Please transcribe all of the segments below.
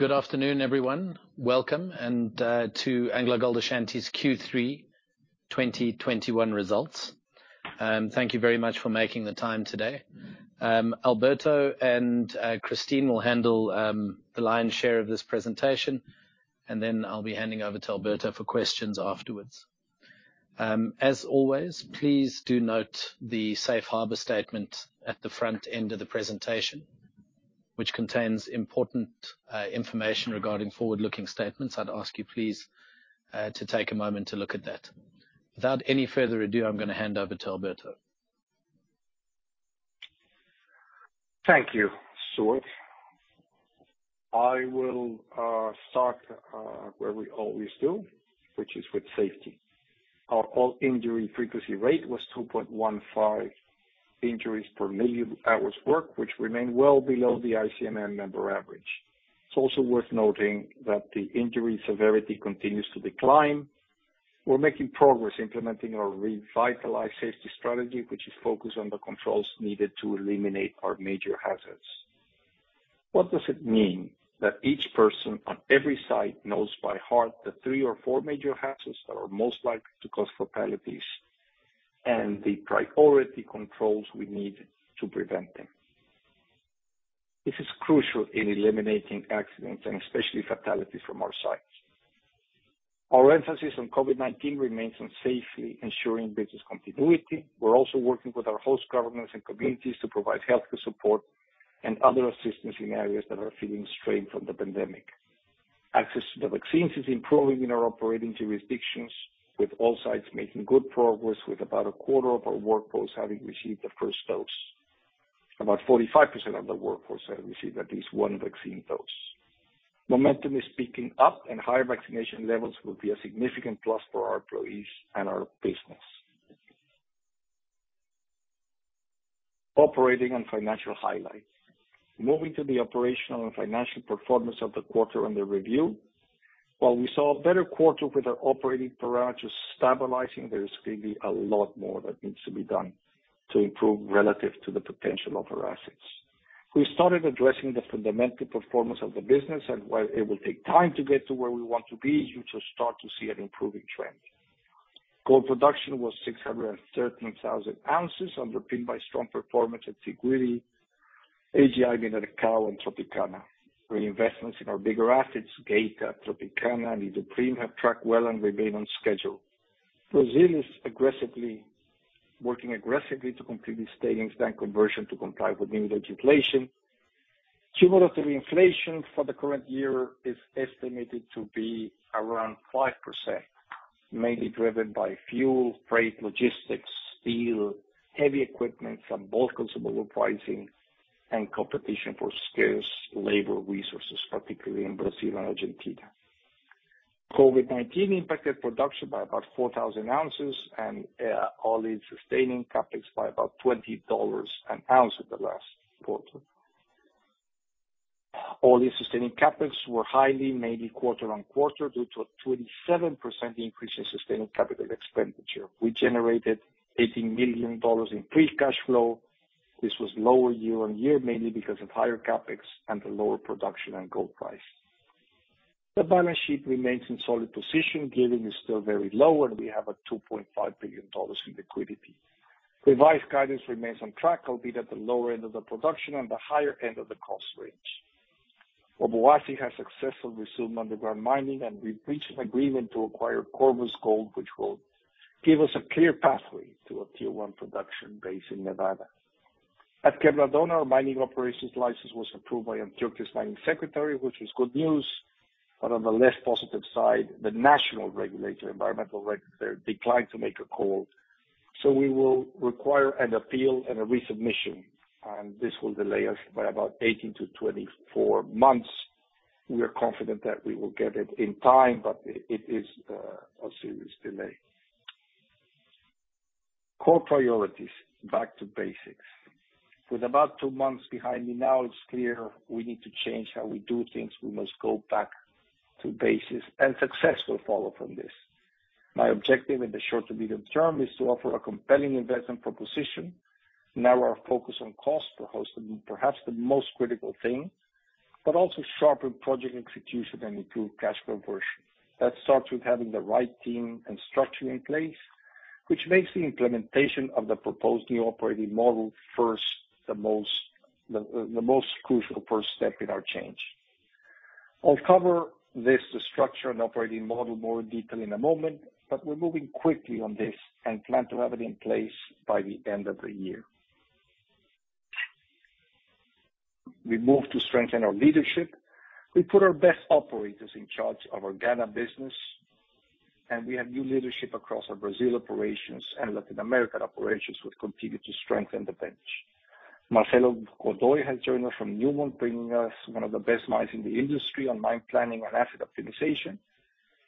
Good afternoon, everyone. Welcome to AngloGold Ashanti's Q3 2021 results. Thank you very much for making the time today. Alberto and Christine will handle the lion's share of this presentation, and then I'll be handing over to Alberto for questions afterwards. As always, please do note the safe harbor statement at the front end of the presentation, which contains important information regarding forward-looking statements. I'd ask you please to take a moment to look at that. Without any further ado, I'm gonna hand over to Alberto. Thank you, Stewart. I will start where we always do, which is with safety. Our all-injury frequency rate was 2.15 injuries per million hours worked, which remained well below the ICMM member average. It's also worth noting that the injury severity continues to decline. We're making progress implementing our revitalized safety strategy, which is focused on the controls needed to eliminate our major hazards. What does it mean that each person on every site knows by heart the 3 or 4 major hazards that are most likely to cause fatalities, and the priority controls we need to prevent them? This is crucial in eliminating accidents and especially fatalities from our sites. Our emphasis on COVID-19 remains on safely ensuring business continuity. We're also working with our host governments and communities to provide healthcare support and other assistance in areas that are feeling strain from the pandemic. Access to the vaccines is improving in our operating jurisdictions, with all sites making good progress, with about a quarter of our workforce having received the first dose. About 45% of the workforce have received at least one vaccine dose. Momentum is picking up, and higher vaccination levels will be a significant plus for our employees and our business. Operating and financial highlights. Moving to the operational and financial performance of the quarter under review. While we saw a better quarter with our operating parameters stabilizing, there is clearly a lot more that needs to be done to improve relative to the potential of our assets. We started addressing the fundamental performance of the business, and while it will take time to get to where we want to be, you should start to see an improving trend. Gold production was 613,000 ounces, underpinned by strong performance at Séguéla, AGA Mineração and Tropicana. Reinvestments in our bigger assets, Geita, Tropicana and Iduapriem, have tracked well and remain on schedule. Brazil is working aggressively to complete the tailings dam conversion to comply with new legislation. Cumulative inflation for the current year is estimated to be around 5%, mainly driven by fuel, freight, logistics, steel, heavy equipment, some bulk consumable pricing and competition for scarce labor resources, particularly in Brazil and Argentina. COVID-19 impacted production by about 4,000 ounces and all-in sustaining costs by about $20 an ounce at the last quarter. All-in sustaining CapEx was higher mainly quarter-on-quarter due to a 27% increase in sustaining capital expenditure. We generated $80 million in free cash flow. This was lower year-on-year, mainly because of higher CapEx and the lower production and gold price. The balance sheet remains in a solid position. Gearing is still very low, and we have a $2.5 billion in liquidity. Revised guidance remains on track, albeit at the lower end of the production and the higher end of the cost range. Obuasi has successfully resumed underground mining, and we've reached an agreement to acquire Corvus Gold, which will give us a clear pathway to a tier-one production base in Nevada. At Quebradona, our mining operations license was approved by Antioquia's mining secretary, which is good news. On the less positive side, the national regulator, environmental regulator, declined to make a call, so we will require an appeal and a resubmission, and this will delay us by about 18-24 months. We are confident that we will get it in time, but it is a serious delay. Core priorities, back to basics. With about 2 months behind me now, it's clear we need to change how we do things. We must go back to basics, and success will follow from this. My objective in the short to medium term is to offer a compelling investment proposition, narrow our focus on costs, perhaps the most critical thing, but also sharpen project execution and improve cash flow conversion. That starts with having the right team and structure in place, which makes the implementation of the proposed new operating model the most crucial first step in our change. I'll cover this structure and operating model in more detail in a moment, but we're moving quickly on this and plan to have it in place by the end of the year. We moved to strengthen our leadership. We put our best operators in charge of our Ghana business, and we have new leadership across our Brazil operations and Latin America operations, which continue to strengthen the bench. Marcelo Godoy has joined us from Newmont, bringing us one of the best minds in the industry on mine planning and asset optimization.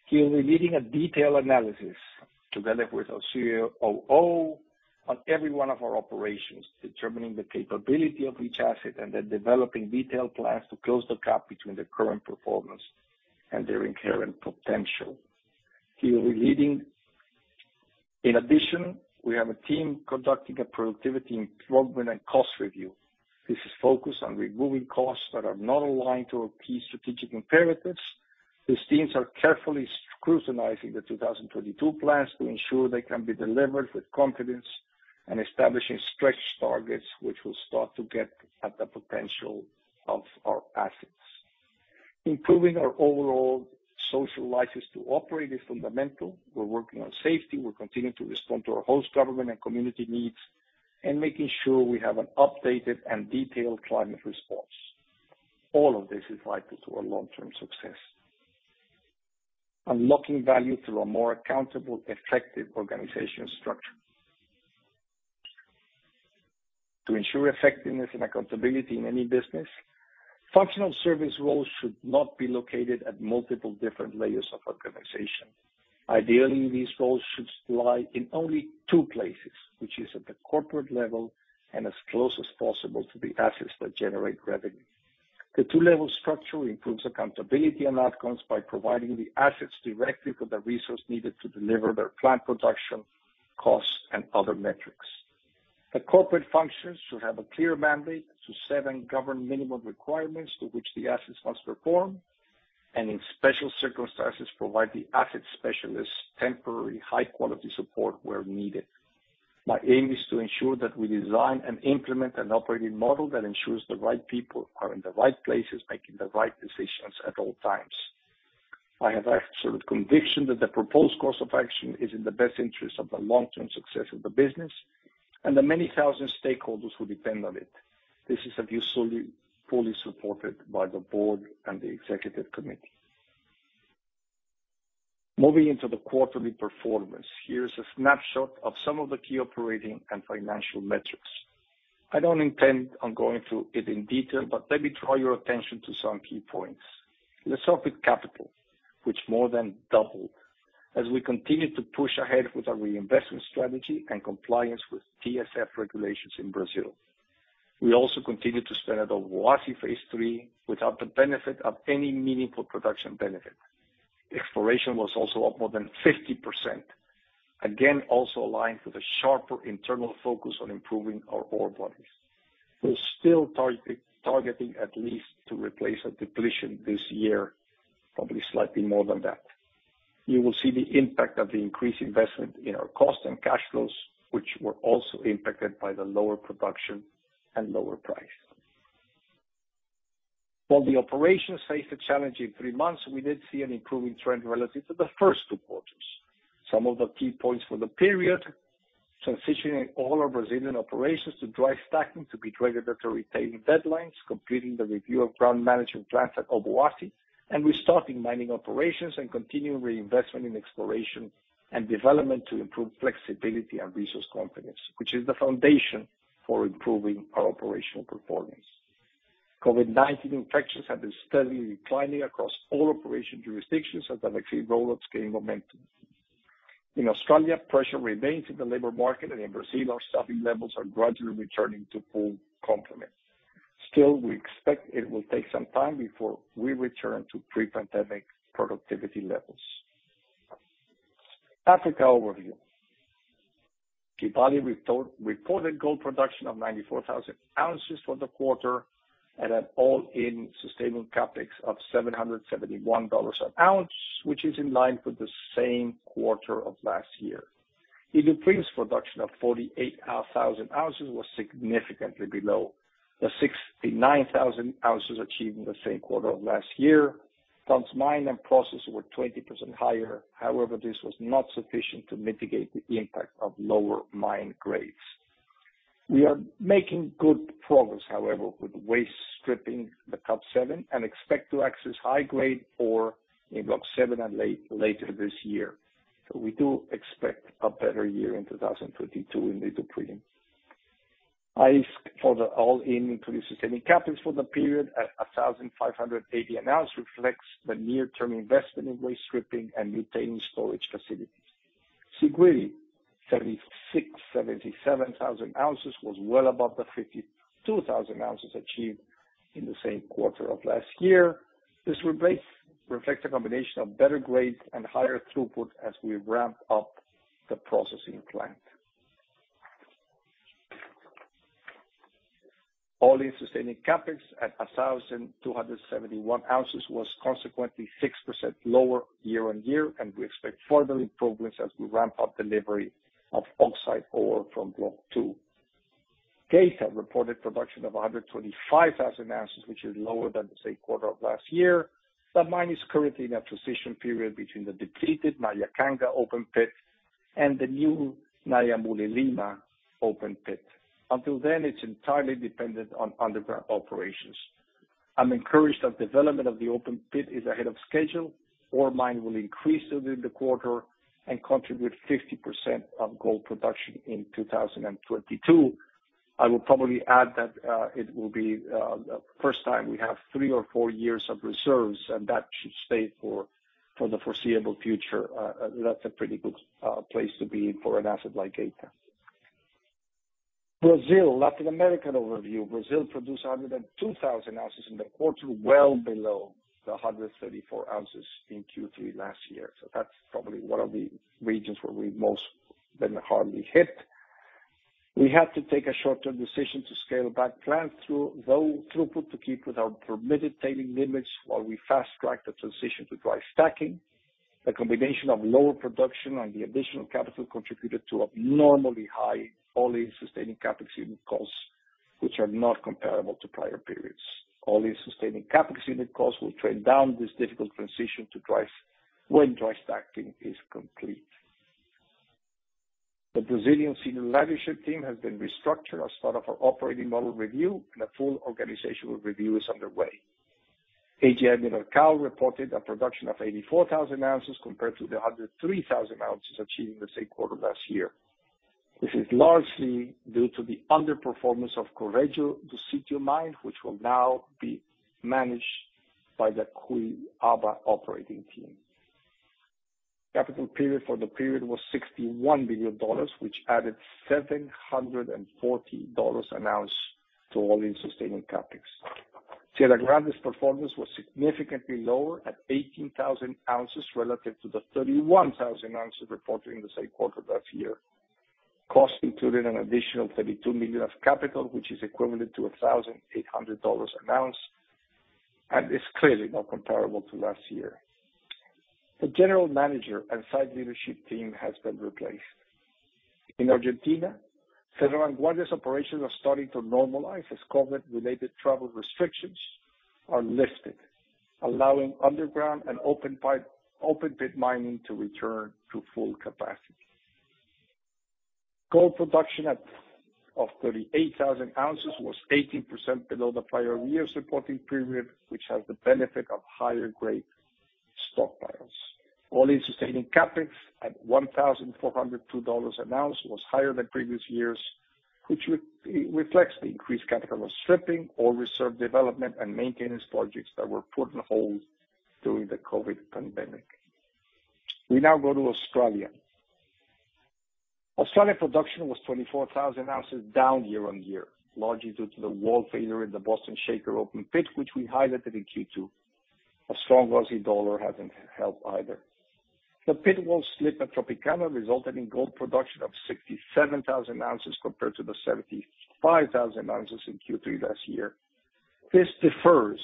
He'll be leading a detailed analysis, together with our COO, on every one of our operations, determining the capability of each asset and then developing detailed plans to close the gap between the current performance and their inherent potential. In addition, we have a team conducting a productivity improvement and cost review. This is focused on removing costs that are not aligned to our key strategic imperatives. These teams are carefully scrutinizing the 2022 plans to ensure they can be delivered with confidence and establishing stretch targets which will start to get at the potential of our assets. Improving our overall social license to operate is fundamental. We're working on safety, we're continuing to respond to our host government and community needs, and making sure we have an updated and detailed climate response. All of this is vital to our long-term success. Unlocking value through a more accountable, effective organizational structure. To ensure effectiveness and accountability in any business, functional service roles should not be located at multiple different layers of organization. Ideally, these roles should lie in only two places, which is at the corporate level and as close as possible to the assets that generate revenue. The two-level structure improves accountability and outcomes by providing the assets directly with the resource needed to deliver their plant production costs and other metrics. The corporate functions should have a clear mandate to set and govern minimum requirements to which the assets must perform, and in special circumstances, provide the asset specialists temporary high quality support where needed. My aim is to ensure that we design and implement an operating model that ensures the right people are in the right places, making the right decisions at all times. I have absolute conviction that the proposed course of action is in the best interest of the long-term success of the business and the many thousand stakeholders who depend on it. This is a view solidly supported by the board and the executive committee. Moving into the quarterly performance, here's a snapshot of some of the key operating and financial metrics. I don't intend on going through it in detail, but let me draw your attention to some key points. Let's start with capital, which more than doubled as we continued to push ahead with our reinvestment strategy and compliance with TSF regulations in Brazil. We also continued to spend at Obuasi phase III without the benefit of any meaningful production benefit. Exploration was also up more than 50%, again, also aligned with a sharper internal focus on improving our ore bodies. We're still targeting at least to replace a depletion this year, probably slightly more than that. You will see the impact of the increased investment in our cost and cash flows, which were also impacted by the lower production and lower price. While the operation faced a challenging three months, we did see an improving trend relative to the first two quarters. Some of the key points for the period, transitioning all our Brazilian operations to dry stacking to meet regulatory retention deadlines, completing the review of ground management plans at Obuasi, and restarting mining operations and continuing reinvestment in exploration and development to improve flexibility and resource confidence, which is the foundation for improving our operational performance. COVID-19 infections have been steadily declining across all operational jurisdictions as the vaccine roll out is gaining momentum. In Australia, pressure remains in the labor market, and in Brazil, our staffing levels are gradually returning to full complement. Still, we expect it will take some time before we return to pre-pandemic productivity levels. Africa overview. Kibali reported gold production of 94,000 ounces for the quarter at an all-in sustaining cost of $771 an ounce, which is in line with the same quarter of last year. The increased production of 48,000 ounces was significantly below the 69,000 ounces achieved in the same quarter of last year. Tons mined and processed were 20% higher, however, this was not sufficient to mitigate the impact of lower mined grades. We are making good progress, however, with waste stripping the tub 7 and expect to access high-grade ore in Block 7 later this year. We do expect a better year in 2022 in the DRC. AISC for the all-in sustaining CapEx for the period at $1,580 an ounce reflects the near term investment in waste stripping and tailings storage facilities. Siguiri, 76,000-77,000 ounces was well above the 52,000 ounces achieved in the same quarter of last year. This reflects a combination of better grades and higher throughput as we ramp up the processing plant. All-in sustaining CapEx at $1,271 an ounce was consequently 6% lower year-on-year, and we expect further improvements as we ramp up delivery of oxide ore from block two. Geita reported production of 125,000 ounces, which is lower than the same quarter of last year. That mine is currently in a transition period between the depleted Nyankanga open pit and the new Nyamulilima open pit. Until then, it's entirely dependent on underground operations. I'm encouraged that development of the open pit is ahead of schedule. Ore mined will increase during the quarter and contribute 50% of gold production in 2022. I will probably add that it will be the first time we have three or four years of reserves, and that should stay for the foreseeable future. That's a pretty good place to be for an asset like Geita. Brazil, Latin America overview. Brazil produced 102,000 ounces in the quarter, well below the 134,000 ounces in Q3 last year. That's probably one of the regions where we've been hardest hit. We had to take a short-term decision to scale back plant throughput to low to keep within our permitted tailings limits while we fast-tracked the transition to dry stacking. A combination of lower production and the additional capital contributed to abnormally high all-in sustaining CapEx unit costs, which are not comparable to prior periods. All-in sustaining CapEx unit costs will trend down during this difficult transition when dry stacking is complete. The Brazilian senior leadership team has been restructured as part of our operating model review, and a full organizational review is underway. AGA Mineração reported a production of 84,000 ounces compared to the 103,000 ounces achieved in the same quarter last year. This is largely due to the underperformance of Córrego do Sítio mine, which will now be managed by the Cuiabá operating team. Capex for the period was $61 million, which added $740 an ounce to all-in sustaining capex. Serra Grande's performance was significantly lower at 18,000 ounces relative to the 31,000 ounces reported in the same quarter last year. Costs included an additional $32 million of capital, which is equivalent to $1,800 an ounce, and is clearly not comparable to last year. The general manager and site leadership team has been replaced. In Argentina, Cerro Vanguardia's operations are starting to normalize as COVID related travel restrictions are lifted, allowing underground and open pit mining to return to full capacity. Gold production of 38,000 ounces was 18% below the prior year's reporting period, which has the benefit of higher grade stockpiles. All-in sustaining cost at $1,402 an ounce was higher than previous years, which reflects the increased capital of stripping, ore reserve development, and maintenance projects that were put on hold during the COVID pandemic. We now go to Australia. Australia production was 24,000 ounces down year-on-year, largely due to the wall failure in the Boston Shaker open pit, which we highlighted in Q2. A strong Aussie dollar hasn't helped either. The pit wall slip at Tropicana resulted in gold production of 67,000 ounces compared to the 75,000 ounces in Q3 last year. This defers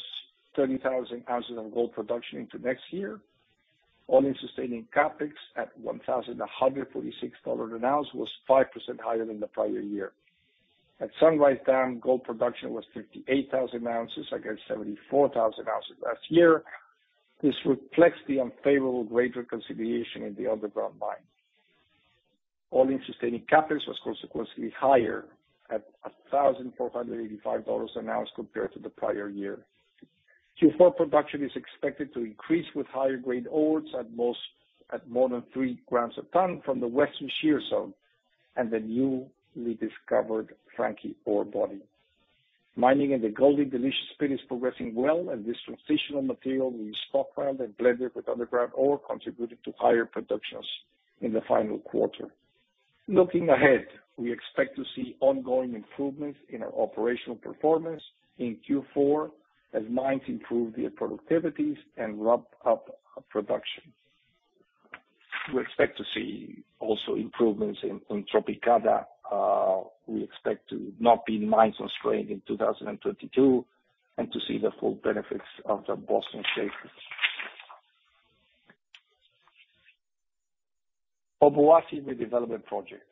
30,000 ounces of gold production into next year. All-in sustaining cost at $1,146 an ounce was 5% higher than the prior year. At Sunrise Dam, gold production was 58,000 ounces against 74,000 ounces last year. This reflects the unfavorable grade reconciliation in the underground mine. All-in sustaining CapEx was consequently higher at $1,485 an ounce compared to the prior year. Q4 production is expected to increase with higher grade ores at more than 3 g a tonne from the Western Shear Zone and the newly discovered Frankie ore body. Mining in the Golden Delicious pit is progressing well, and this transitional material will be stockpiled and blended with underground ore contributing to higher production in the final quarter. Looking ahead, we expect to see ongoing improvements in our operational performance in Q4 as mines improve their productivities and ramp up production. We expect to see improvements in Tropicana. We expect to not be mine constrained in 2022 and to see the full benefits of the Boston Shaker, Obuasi redevelopment project.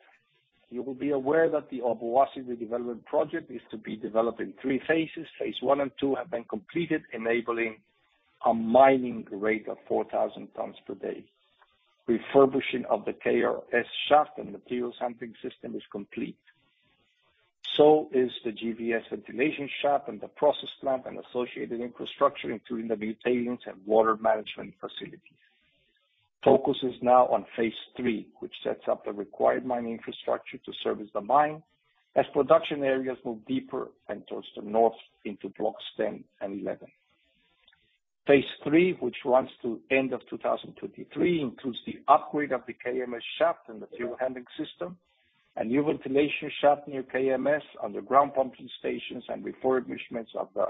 You will be aware that the Obuasi redevelopment project is to be developed in three phases. Phase I and II have been completed, enabling a mining rate of 4,000 tonnes per day. Refurbishing of the KRS shaft and material sampling system is complete, so is the GVS ventilation shaft and the process plant and associated infrastructure, including the new tailings and water management facilities. Focus is now on phase III, which sets up the required mining infrastructure to service the mine as production areas move deeper and towards the north into blocks 10 and 11. Phase III, which runs to end of 2023, includes the upgrade of the KMS shaft and material handling system, a new ventilation shaft near KMS, underground pumping stations, and refurbishments of the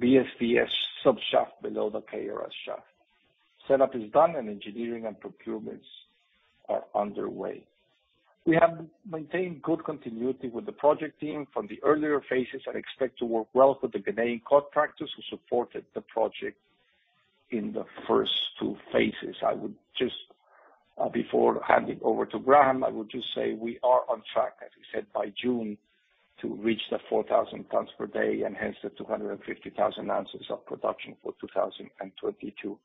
BSVS sub-shaft below the KRS shaft. Setup is done and engineering and procurements are underway. We have maintained good continuity with the project team from the earlier phases and expect to work well with the Ghanaian contractors who supported the project in the first two phases. I would just say, before handing over to Graham, we are on track, as we said by June, to reach the 4,000 tonnes per day and hence the 250,000 ounces of production for 2022.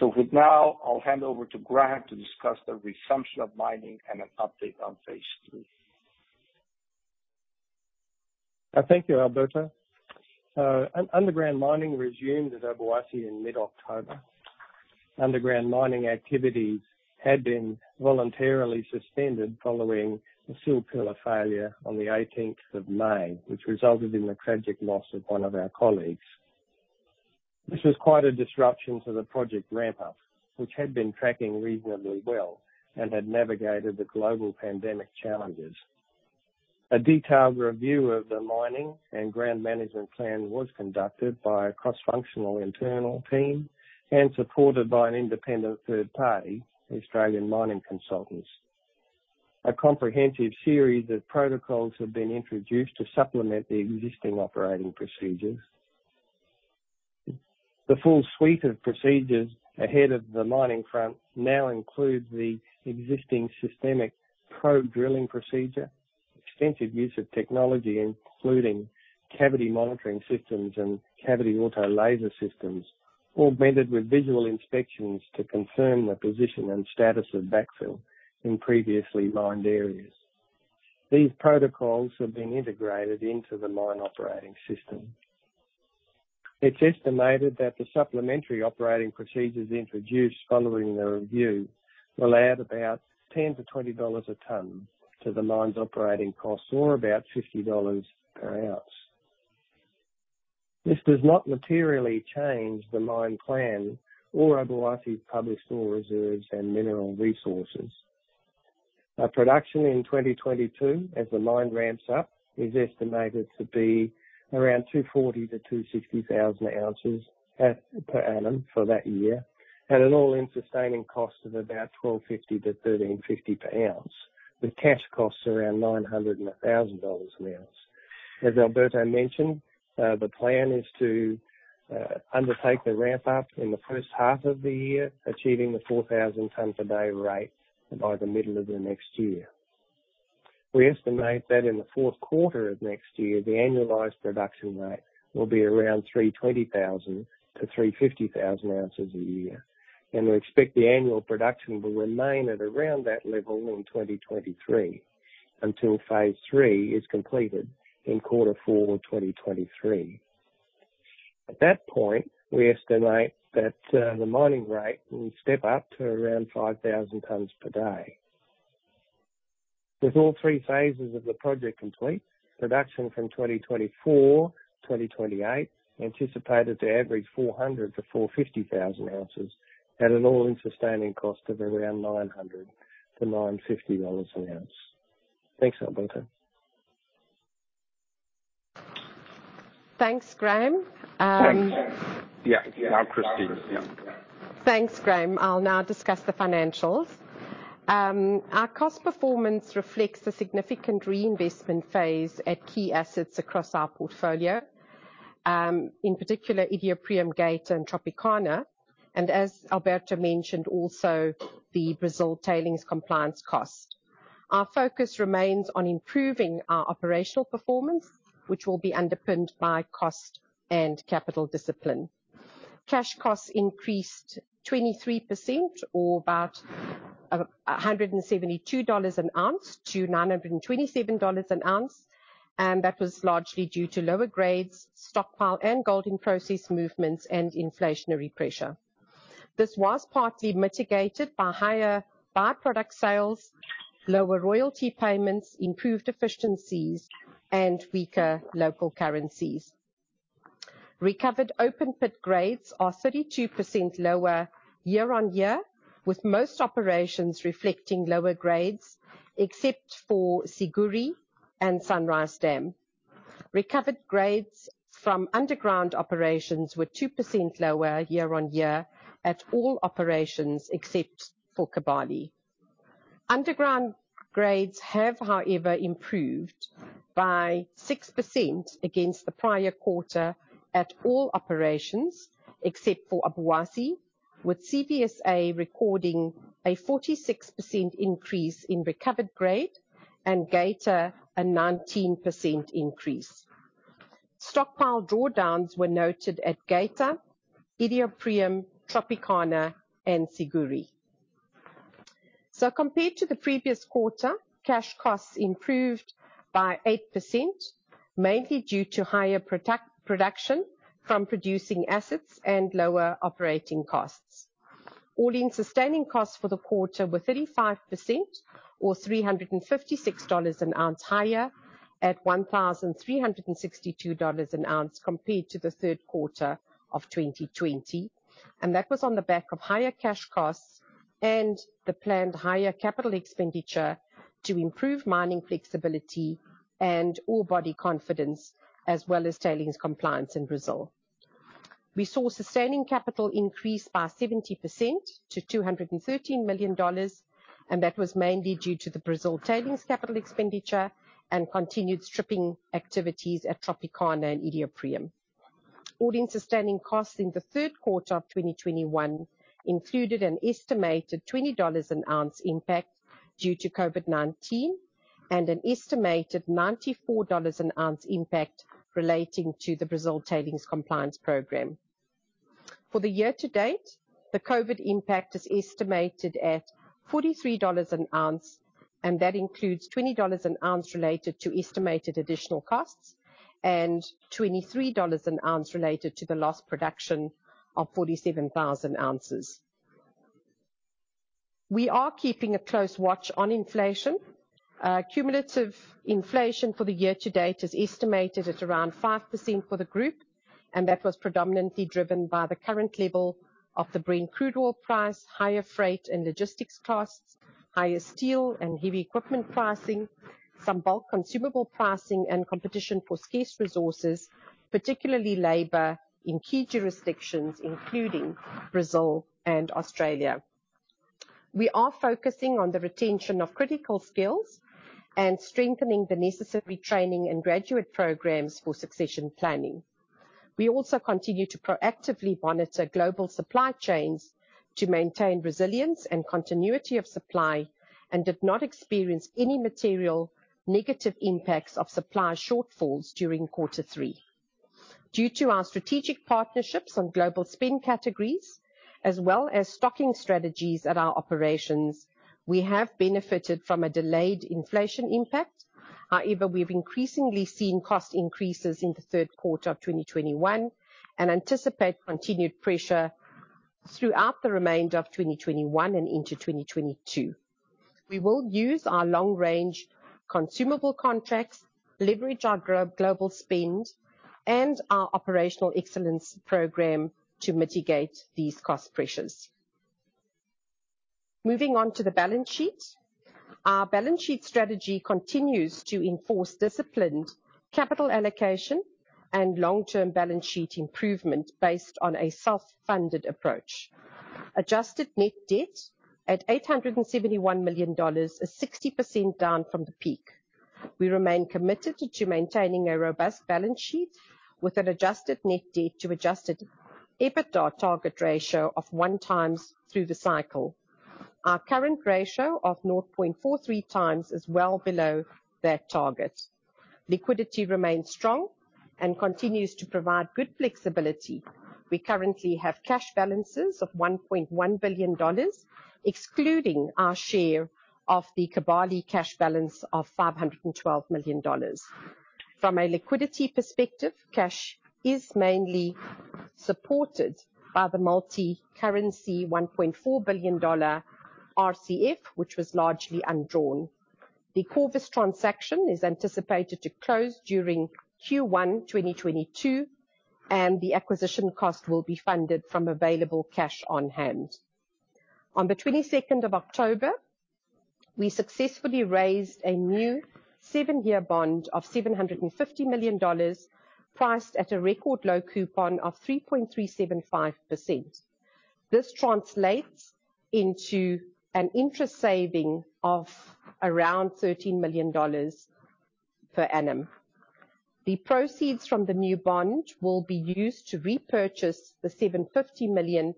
With now, I'll hand over to Graham to discuss the resumption of mining and an update on phase III. Thank you, Alberto. Underground mining resumed at Obuasi in mid-October. Underground mining activities had been voluntarily suspended following the seal pillar failure on the eighteenth of May, which resulted in the tragic loss of one of our colleagues. This was quite a disruption to the project ramp up, which had been tracking reasonably well and had navigated the global pandemic challenges. A detailed review of the mining and ground management plan was conducted by a cross-functional internal team and supported by an independent third party, Australian Mining Consultants. A comprehensive series of protocols have been introduced to supplement the existing operating procedures. The full suite of procedures ahead of the mining front now include the existing systemic probe drilling procedure, extensive use of technology, including cavity monitoring systems and cavity auto laser systems, augmented with visual inspections to confirm the position and status of backfill in previously mined areas. These protocols have been integrated into the mine operating system. It's estimated that the supplementary operating procedures introduced following the review will add about $10-$20 a ton to the mine's operating costs or about $50 per ounce. This does not materially change the mine plan or Obuasi's published ore reserves and mineral resources. Our production in 2022, as the mine ramps up, is estimated to be around 240-260 thousand ounces per annum for that year. At an all-in sustaining cost of about $1,250-$1,350 per ounce, with cash costs around $900-$1,000 an ounce. As Alberto mentioned, the plan is to undertake the ramp up in the first half of the year, achieving the 4,000 tons a day rate by the middle of the next year. We estimate that in the fourth quarter of next year, the annualized production rate will be around 320,000-350,000 ounces a year, and we expect the annual production will remain at around that level in 2023 until phase III is completed in quarter four of 2023. At that point, we estimate that the mining rate will step up to around 5,000 tons per day. With all three phases of the project complete, production from 2024, 2028 anticipated to average 400,000-450,000 ounces at an all-in sustaining cost of around $900-$950 an ounce. Thanks, Alberto. Thanks, Graham. Thanks. Yeah. Now Christine. Yeah. Thanks, Graham. I'll now discuss the financials. Our cost performance reflects the significant reinvestment phase at key assets across our portfolio, in particular, Iduapriem, Geita and Tropicana. As Alberto mentioned, also the Brazil tailings compliance cost. Our focus remains on improving our operational performance, which will be underpinned by cost and capital discipline. Cash costs increased 23% or about $172 an ounce to $927 an ounce. That was largely due to lower grades, stockpile and gold in process movements and inflationary pressure. This was partly mitigated by higher by-product sales, lower royalty payments, improved efficiencies and weaker local currencies. Recovered open pit grades are 32% lower year-on-year, with most operations reflecting lower grades, except for Siguiri and Sunrise Dam. Recovered grades from underground operations were 2% lower year-on-year at all operations, except for Kibali. Underground grades have, however, improved by 6% against the prior quarter at all operations, except for Obuasi, with CdS recording a 46% increase in recovered grade and Geita a 19% increase. Stockpile drawdowns were noted at Geita, Iduapriem, Tropicana and Siguiri. Compared to the previous quarter, cash costs improved by 8%, mainly due to higher production from producing assets and lower operating costs. All-in sustaining costs for the quarter were 35% or $356 an ounce higher at $1,362 an ounce, compared to the third quarter of 2020. That was on the back of higher cash costs and the planned higher capital expenditure to improve mining flexibility and ore body confidence as well as tailings compliance in Brazil. We saw sustaining capital increase by 70% to $213 million, and that was mainly due to the Brazil tailings capital expenditure and continued stripping activities at Tropicana and Iduapriem. All-in sustaining costs in the third quarter of 2021 included an estimated $20 an ounce impact due to COVID-19 and an estimated $94 an ounce impact relating to the Brazil tailings compliance program. For the year to date, the COVID impact is estimated at $43 an ounce, and that includes $20 an ounce related to estimated additional costs and $23 an ounce related to the lost production of 47,000 ounces. We are keeping a close watch on inflation. Cumulative inflation for the year to date is estimated at around 5% for the group, and that was predominantly driven by the current level of the Brent crude oil price, higher freight and logistics costs, higher steel and heavy equipment pricing, some bulk consumable pricing, and competition for scarce resources, particularly labor in key jurisdictions, including Brazil and Australia. We are focusing on the retention of critical skills and strengthening the necessary training and graduate programs for succession planning. We also continue to proactively monitor global supply chains to maintain resilience and continuity of supply and did not experience any material negative impacts of supply shortfalls during quarter three. Due to our strategic partnerships on global spend categories as well as stocking strategies at our operations, we have benefited from a delayed inflation impact. However, we've increasingly seen cost increases in the third quarter of 2021 and anticipate continued pressure throughout the remainder of 2021 and into 2022. We will use our long-range consumable contracts, leverage our global spend, and our operational excellence program to mitigate these cost pressures. Moving on to the balance sheet. Our balance sheet strategy continues to enforce disciplined capital allocation and long-term balance sheet improvement based on a self-funded approach. Adjusted net debt at $871 million is 60% down from the peak. We remain committed to maintaining a robust balance sheet with an adjusted net debt to adjusted EBITDA target ratio of 1x through the cycle. Our current ratio of 0.43x is well below that target. Liquidity remains strong and continues to provide good flexibility. We currently have cash balances of $1.1 billion, excluding our share of the Kibali cash balance of $512 million. From a liquidity perspective, cash is mainly supported by the multi-currency $1.4 billion RCF, which was largely undrawn. The Corvus transaction is anticipated to close during Q1 2022, and the acquisition cost will be funded from available cash on hand. On October 22, we successfully raised a new 7-year bond of $750 million, priced at a record low coupon of 3.375%. This translates into an interest saving of around $13 million per annum. The proceeds from the new bond will be used to repurchase the $750 million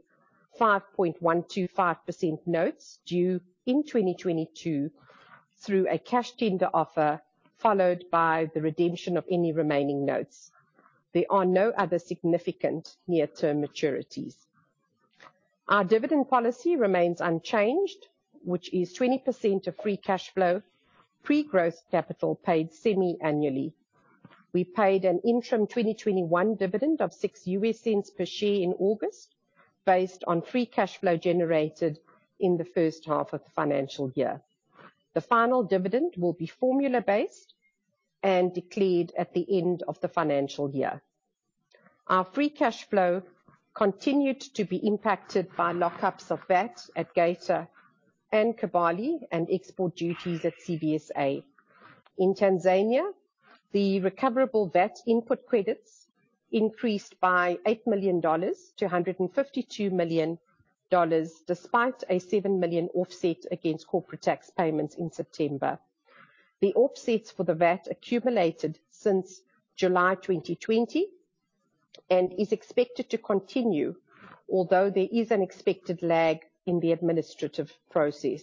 5.125% notes due in 2022 through a cash tender offer, followed by the redemption of any remaining notes. There are no other significant near-term maturities. Our dividend policy remains unchanged, which is 20% of free cashflow, pre-growth capital paid semi-annually. We paid an interim 2021 dividend of $0.06 per share in August based on free cashflow generated in the first half of the financial year. The final dividend will be formula-based and declared at the end of the financial year. Our free cashflow continued to be impacted by lock-ups of VAT at Geita and Kibali and export duties at CVSA. In Tanzania, the recoverable VAT input credits increased by $8 million-$152 million, despite a $7 million offset against corporate tax payments in September. The offsets for the VAT accumulated since July 2020 and is expected to continue, although there is an expected lag in the administrative process.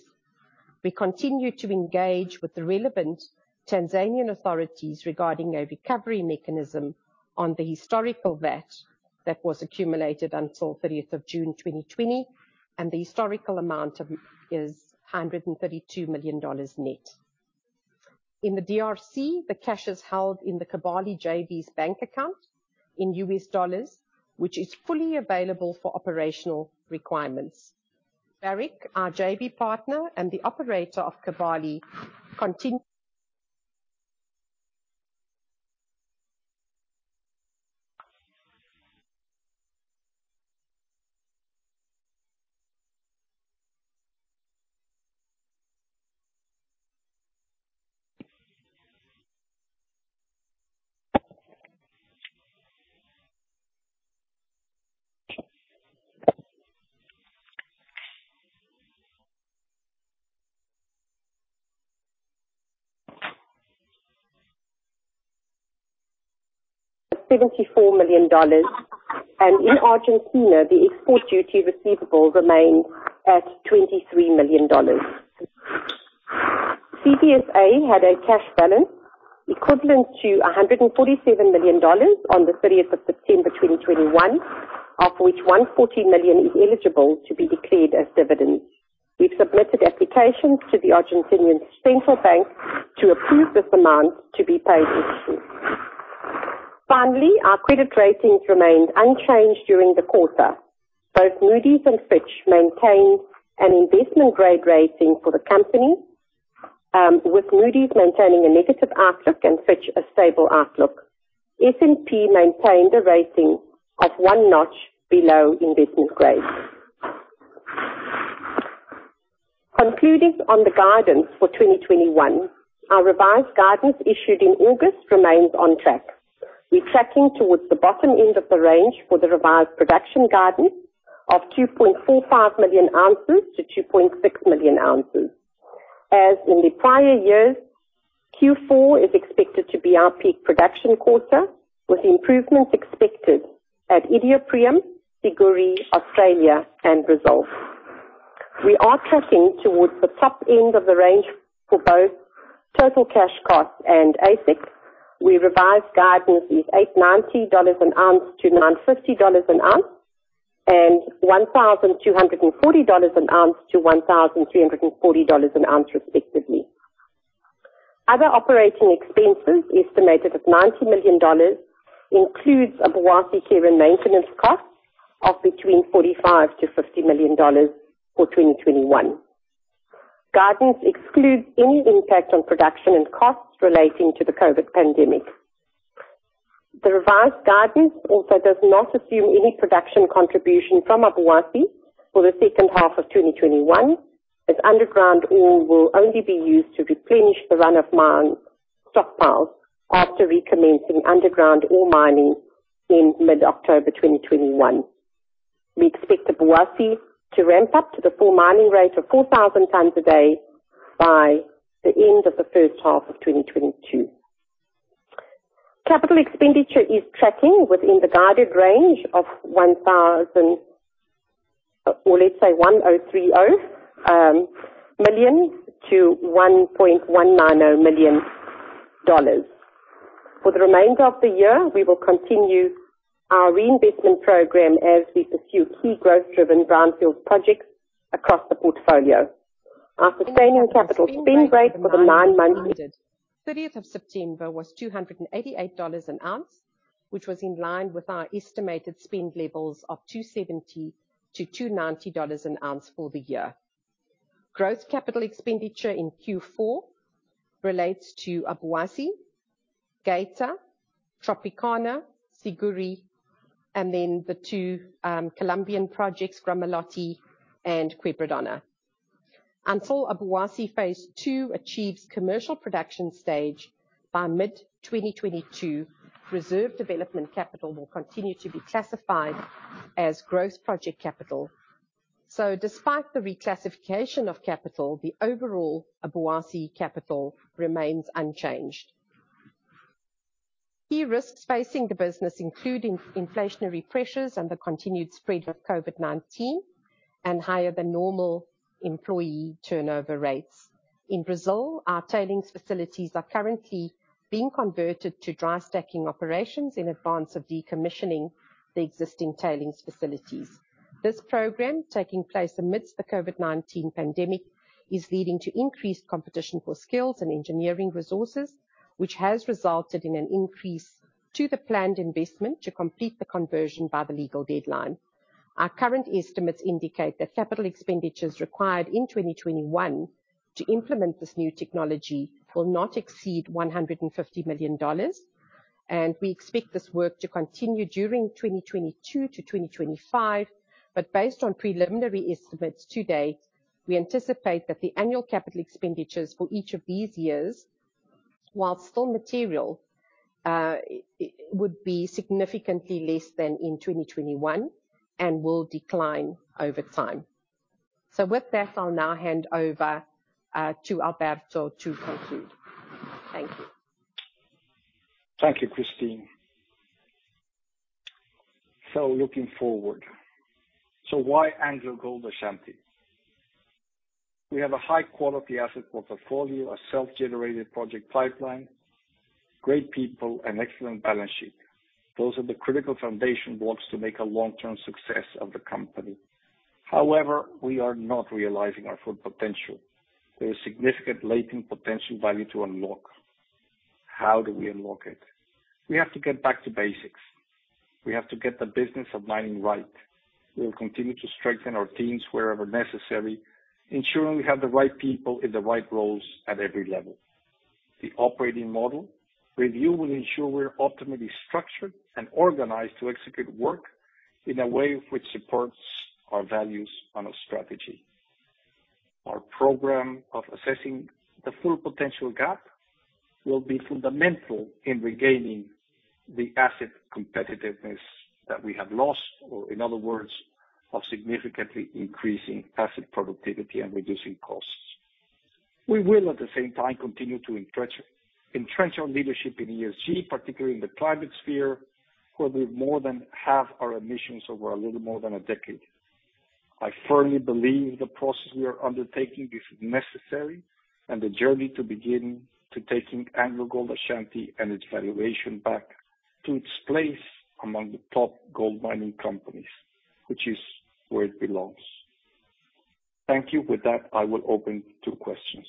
We continue to engage with the relevant Tanzanian authorities regarding a recovery mechanism on the historical VAT that was accumulated until 30th of June 2020, and the historical amount is $132 million net. In the DRC, the cash is held in the Kibali JV's bank account in U.S. dollars, which is fully available for operational requirements. Barrick, our JV partner and the operator of Kibali, contains $74 million and in Argentina, the export duty receivables remain at $23 million. CVSA had a cash balance equivalent to $147 million on the 30th of September 2021, of which $140 million is eligible to be declared as dividends. We've submitted applications to the Argentinian Central Bank to approve this amount to be paid in soon. Finally, our credit ratings remained unchanged during the quarter. Both Moody's and Fitch maintained an investment-grade rating for the company, with Moody's maintaining a negative outlook and Fitch a stable outlook. S&P maintained a rating of one notch below investment grade. Concluding on the guidance for 2021, our revised guidance issued in August remains on track. We're tracking towards the bottom end of the range for the revised production guidance of 2.45-2.6 million ounces. As in the prior years, Q4 is expected to be our peak production quarter with improvements expected at Iduapriem, Siguiri, Australia and Brazil. We are tracking towards the top end of the range for both total cash costs and AISC. We revised guidance with $890 an ounce-$950 an ounce and $1,240 an ounce-$1,340 an ounce respectively. Other operating expenses, estimated at $90 million, includes Obuasi care and maintenance costs of between $45-$50 million for 2021. Guidance excludes any impact on production and costs relating to the COVID pandemic. The revised guidance also does not assume any production contribution from Obuasi for the second half of 2021, as underground ore will only be used to replenish the run-of-mine stockpiles after recommencing underground ore mining in mid-October 2021. We expect Obuasi to ramp up to the full mining rate of 4,000 tons a day by the end of the first half of 2022. Capital expenditure is tracking within the guided range of $1030 million-$1190 million. For the remainder of the year, we will continue our reinvestment program as we pursue key growth-driven brownfield projects across the portfolio. Our sustaining capital spend rate for the nine months 30 September was $288 an ounce, which was in line with our estimated spend levels of $270-$290 an ounce for the year. Growth capital expenditure in Q4 relates to Obuasi, Geita, Tropicana, Siguiri, and the two Colombian projects, Gramalote and Quebradona. Until Obuasi phase II achieves commercial production stage by mid-2022, reserve development capital will continue to be classified as growth project capital. Despite the reclassification of capital, the overall Obuasi capital remains unchanged. Key risks facing the business include inflationary pressures and the continued spread of COVID-19 and higher than normal employee turnover rates. In Brazil, our tailings facilities are currently being converted to dry stacking operations in advance of decommissioning the existing tailings facilities. This program, taking place amidst the COVID-19 pandemic, is leading to increased competition for skills and engineering resources, which has resulted in an increase to the planned investment to complete the conversion by the legal deadline. Our current estimates indicate that capital expenditures required in 2021 to implement this new technology will not exceed $150 million, and we expect this work to continue during 2022 to 2025. Based on preliminary estimates to date, we anticipate that the annual capital expenditures for each of these years, while still material, it would be significantly less than in 2021 and will decline over time. With that, I'll now hand over to Alberto to conclude. Thank you. Thank you, Christine. Looking forward. Why AngloGold Ashanti? We have a high-quality asset portfolio, a self-generated project pipeline, great people and excellent balance sheet. Those are the critical foundation blocks to make a long-term success of the company. However, we are not realizing our full potential. There is significant latent potential value to unlock. How do we unlock it? We have to get back to basics. We have to get the business of mining right. We will continue to strengthen our teams wherever necessary, ensuring we have the right people in the right roles at every level. The operating model review will ensure we are optimally structured and organized to execute work in a way which supports our values and our strategy. Our program of assessing the full potential gap will be fundamental in regaining the asset competitiveness that we have lost, or in other words, of significantly increasing asset productivity and reducing costs. We will, at the same time, continue to entrench our leadership in ESG, particularly in the climate sphere, where we've more than halved our emissions over a little more than a decade. I firmly believe the process we are undertaking is necessary, and the journey to begin to taking AngloGold Ashanti and its valuation back to its place among the top gold mining companies, which is where it belongs. Thank you. With that, I will open to questions.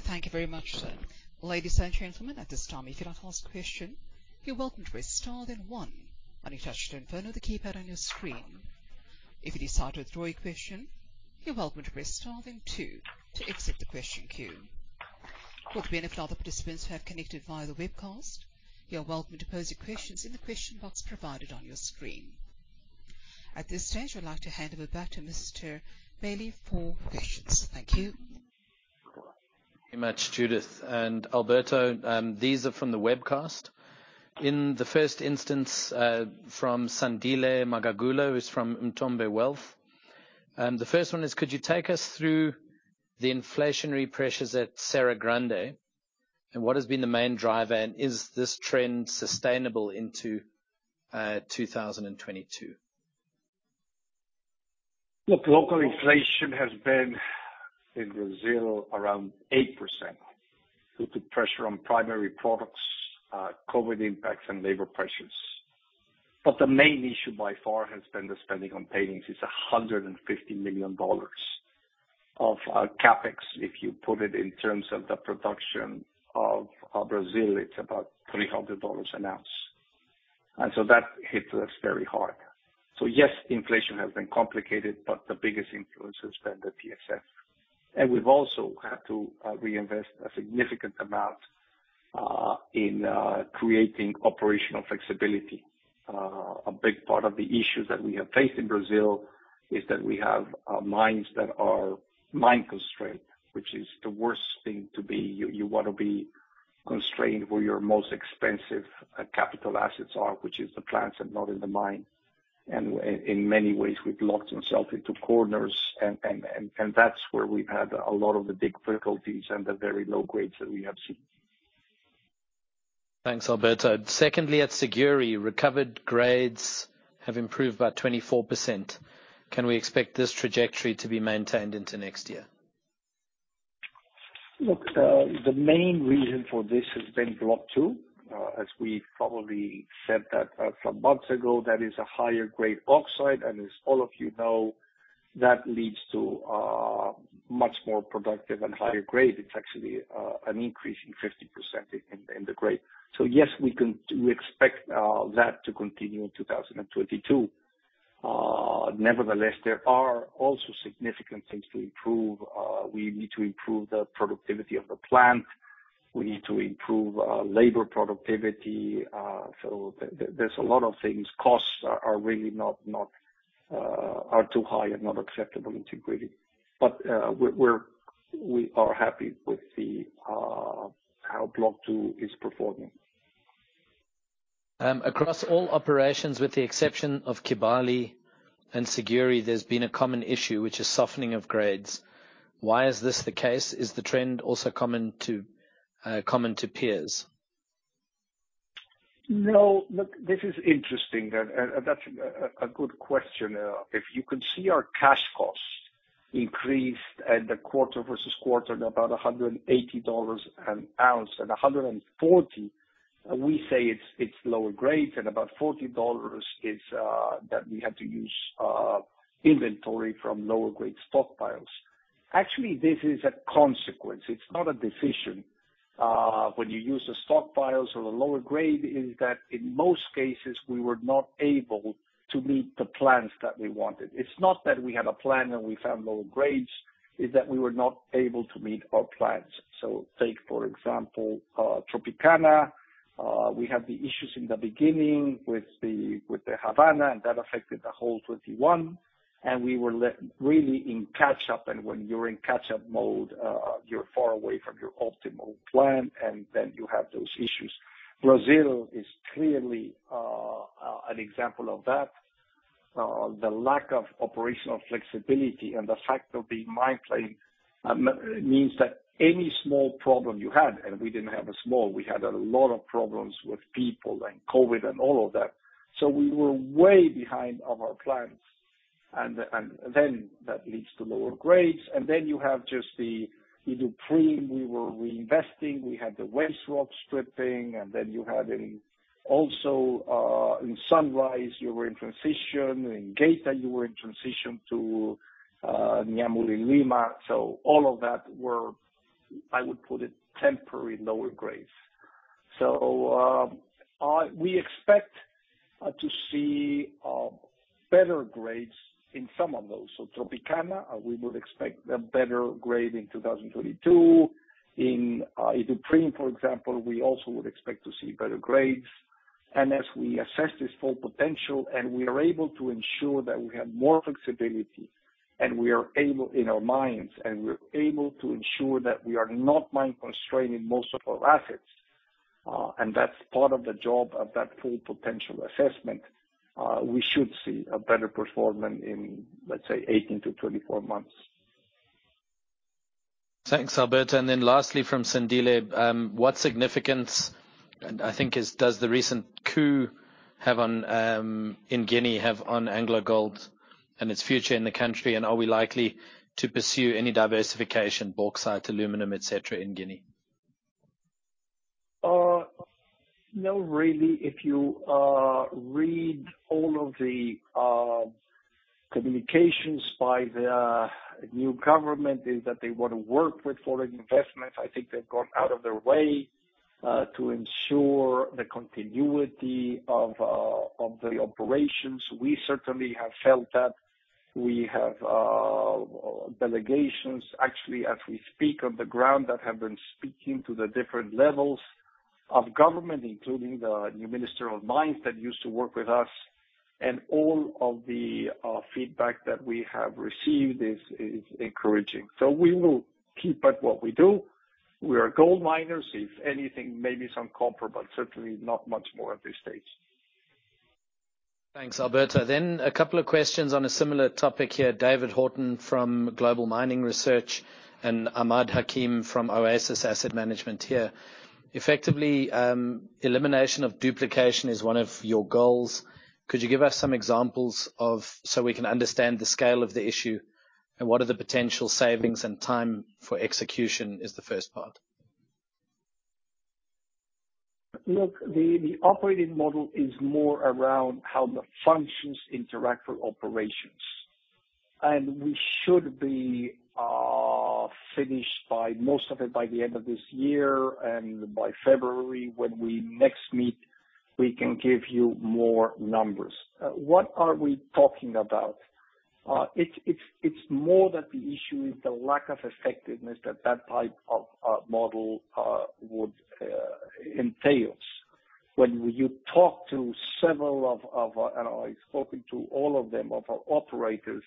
Thank you very much, sir. Ladies and gentlemen, at this time, if you'd like to ask a question, you're welcome to press star then one on your touchtone phone or the keypad on your screen. If you decide to withdraw your question, you're welcome to press star then two to exit the question queue. For the benefit of other participants who have connected via the webcast, you are welcome to pose your questions in the question box provided on your screen. At this stage, I'd like to hand over back to Mr. Bailey for questions. Thank you. Very much, Judith. Alberto, these are from the webcast. In the first instance, from Sandile Magagula, who's from Umthombo Wealth. The first one is, could you take us through the inflationary pressures at Serra Grande and what has been the main driver, and is this trend sustainable into 2022? Look, local inflation has been in Brazil around 8% due to pressure on primary products, COVID impacts and labor pressures. The main issue by far has been the spending on tailings. It's $150 million of CapEx. If you put it in terms of the production of Brazil, it's about $300 an ounce. That hits us very hard. Yes, inflation has been complicated, but the biggest influence has been the TSF. We've also had to reinvest a significant amount in creating operational flexibility. A big part of the issues that we have faced in Brazil is that we have mines that are mine constrained, which is the worst thing to be. You wanna be constrained where your most expensive capital assets are, which is the plants and not in the mine. In many ways, we've locked themselves into corners and that's where we've had a lot of the big difficulties and the very low grades that we have seen. Thanks, Alberto. Secondly, at Siguiri, recovered grades have improved by 24%. Can we expect this trajectory to be maintained into next year? Look, the main reason for this has been Block Two. As we probably said that some months ago, that is a higher grade oxide, and as all of you know, that leads to much more productive and higher grade. It's actually an increase in 50% in the grade. Yes, we expect that to continue in 2022. Nevertheless, there are also significant things to improve. We need to improve the productivity of the plant. We need to improve labor productivity. So there's a lot of things. Costs are really too high and not acceptable in grading. We are happy with how Block Two is performing. Across all operations, with the exception of Kibali and Siguiri, there's been a common issue which is softening of grades. Why is this the case? Is the trend also common to peers? No. Look, this is interesting. That's a good question. If you can see our cash costs increased quarter-over-quarter at about $180 an ounce. $140, we say it's lower grade, and about $40 is that we had to use inventory from lower grade stockpiles. Actually, this is a consequence. It's not a decision. When you use the stockpiles or the lower grade is that in most cases we were not able to meet the plans that we wanted. It's not that we had a plan and we found lower grades, it's that we were not able to meet our plans. Take, for example, Tropicana. We had the issues in the beginning with the Havana, and that affected the whole 2021. We were really in catch-up. When you're in catch-up mode, you're far away from your optimal plan, and then you have those issues. Brazil is clearly an example of that. The lack of operational flexibility and the fact of being mine-plagued means that any small problem you had, and we didn't have a small, we had a lot of problems with people and COVID and all of that. We were way behind on our plans. Then that leads to lower grades. Then you have just the Iduapriem we were reinvesting. We had the waste rock stripping. Then you had also in Sunrise, you were in transition. In Geita, you were in transition to Nyamulilima. All of that were, I would put it, temporary lower grades. We expect to see better grades in some of those. Tropicana, we would expect a better grade in 2022. In Iduapriem, for example, we also would expect to see better grades. As we assess this full potential, and we are able to ensure that we have more flexibility, and we are able in our mines, and we're able to ensure that we are not mine constrained in most of our assets, and that's part of the job of that full potential assessment, we should see a better performance in, let's say, 18-24 months. Thanks, Alberto. Lastly from Sandile, what significance does the recent coup in Guinea have on AngloGold Ashanti and its future in the country, and are we likely to pursue any diversification bauxite, aluminum, et cetera, in Guinea? No, really, if you read all of the communications by the new government, it is that they want to work with foreign investments. I think they've gone out of their way to ensure the continuity of the operations. We certainly have felt that. We have delegations actually as we speak on the ground that have been speaking to the different levels of government, including the new minister of mines that used to work with us. All of the feedback that we have received is encouraging. We will keep at what we do. We are gold miners. If anything, maybe some copper, but certainly not much more at this stage. Thanks, Alberto. A couple of questions on a similar topic here. David Horton from Global Mining Research and Ahmad Hakim from Oasis Asset Management here. Effectively, elimination of duplication is one of your goals. Could you give us some examples so we can understand the scale of the issue and what are the potential savings and time for execution, is the first part. Look, the operating model is more around how the functions interact with operations. We should be finished by most of it by the end of this year. By February, when we next meet, we can give you more numbers. What are we talking about? It's more that the issue is the lack of effectiveness that type of model would entails. When you talk to several of our and I've spoken to all of them, of our operators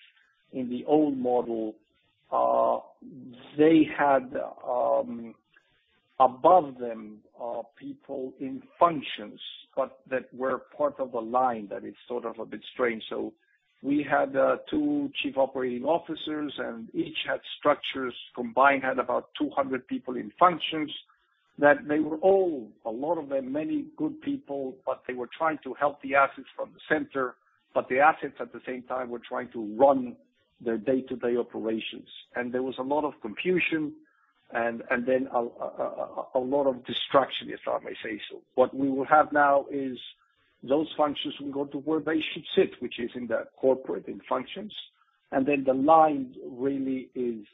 in the old model, they had above them people in functions, but that were part of a line that is sort of a bit strange. We had two chief operating officers, and each had structures. Combined, had about 200 people in functions that they were all, a lot of them, many good people, but they were trying to help the assets from the center. The assets at the same time were trying to run their day-to-day operations. There was a lot of confusion and then a lot of distraction, if I may say so. What we will have now is those functions will go to where they should sit, which is in the corporate functions. The line really is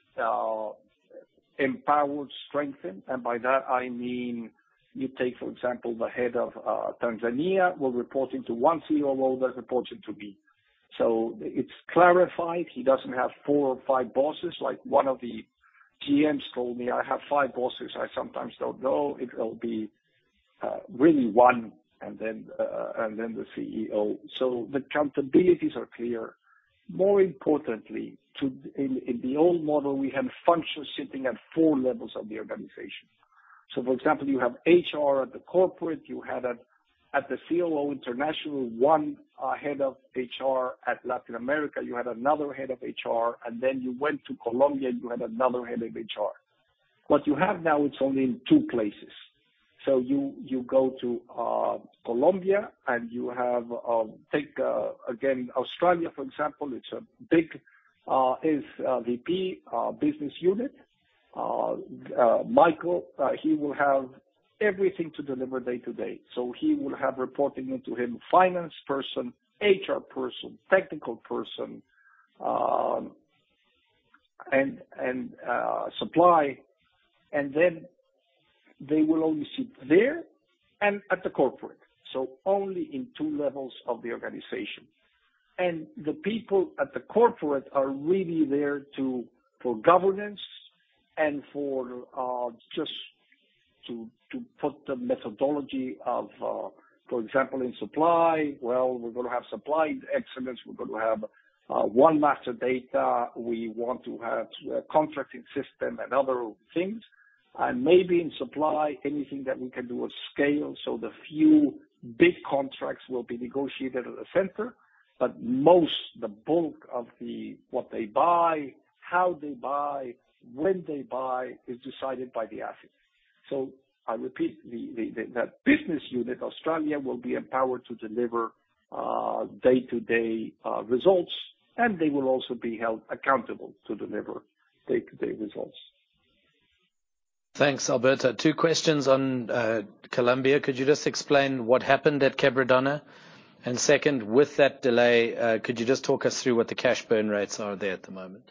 empowered, strengthened. By that I mean you take, for example, the head of Tanzania will report into one COO that reports into me. It's clarified. He doesn't have 4 or 5 bosses. Like one of the GMs told me, "I have 5 bosses. I sometimes don't know. It'll be really one and then the CEO. The accountabilities are clear. More importantly, in the old model, we had functions sitting at four levels of the organization. For example, you have HR at the corporate. You had at the COO international one head of HR. At Latin America, you had another head of HR. Then you went to Colombia, you had another head of HR. What you have now, it's only in two places. You go to Colombia, and you have take again Australia for example, it's a big his VP business unit. Michael he will have everything to deliver day-to-day. He will have reporting into him finance person, HR person, technical person, and supply. Then they will only sit there and at the corporate, so only in two levels of the organization. The people at the corporate are really there to, for governance and for, just to put the methodology of, for example, in supply. Well, we're gonna have supply excellence. We're gonna have one master data. We want to have contracting system and other things, and maybe in supply, anything that we can do with scale. The few big contracts will be negotiated at the center, but most, the bulk of the, what they buy, how they buy, when they buy, is decided by the asset. I repeat, that business unit, Australia, will be empowered to deliver day-to-day results, and they will also be held accountable to deliver day-to-day results. Thanks, Alberto. Two questions on Colombia. Could you just explain what happened at Quebradona? Second, with that delay, could you just talk us through what the cash burn rates are there at the moment?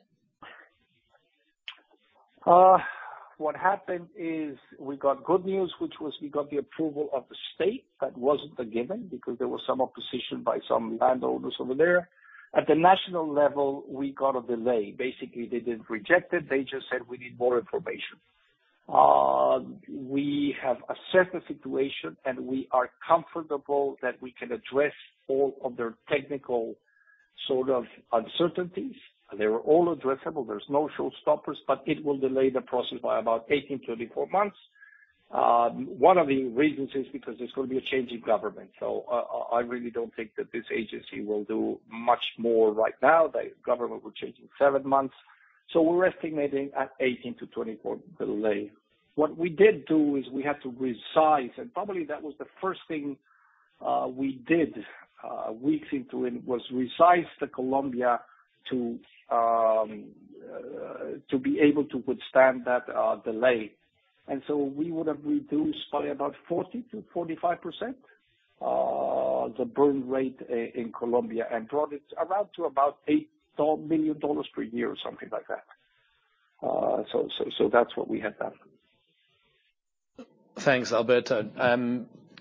What happened is we got good news, which was we got the approval of the state. That wasn't a given because there was some opposition by some landowners over there. At the national level, we got a delay. Basically, they didn't reject it. They just said, "We need more information." We have assessed the situation, and we are comfortable that we can address all of their technical sort of uncertainties. They were all addressable. There's no showstoppers, but it will delay the process by about 18-24 months. One of the reasons is because there's gonna be a change in government. I really don't think that this agency will do much more right now. The government will change in seven months. We're estimating a 18-24 delay. What we did do is we had to resize. Probably that was the first thing we did weeks into it was resized to Colombia to be able to withstand that delay. We would have reduced by about 40%-45% the burn rate in Colombia and brought it around to about $8 million per year or something like that. So that's what we have done. Thanks, Alberto.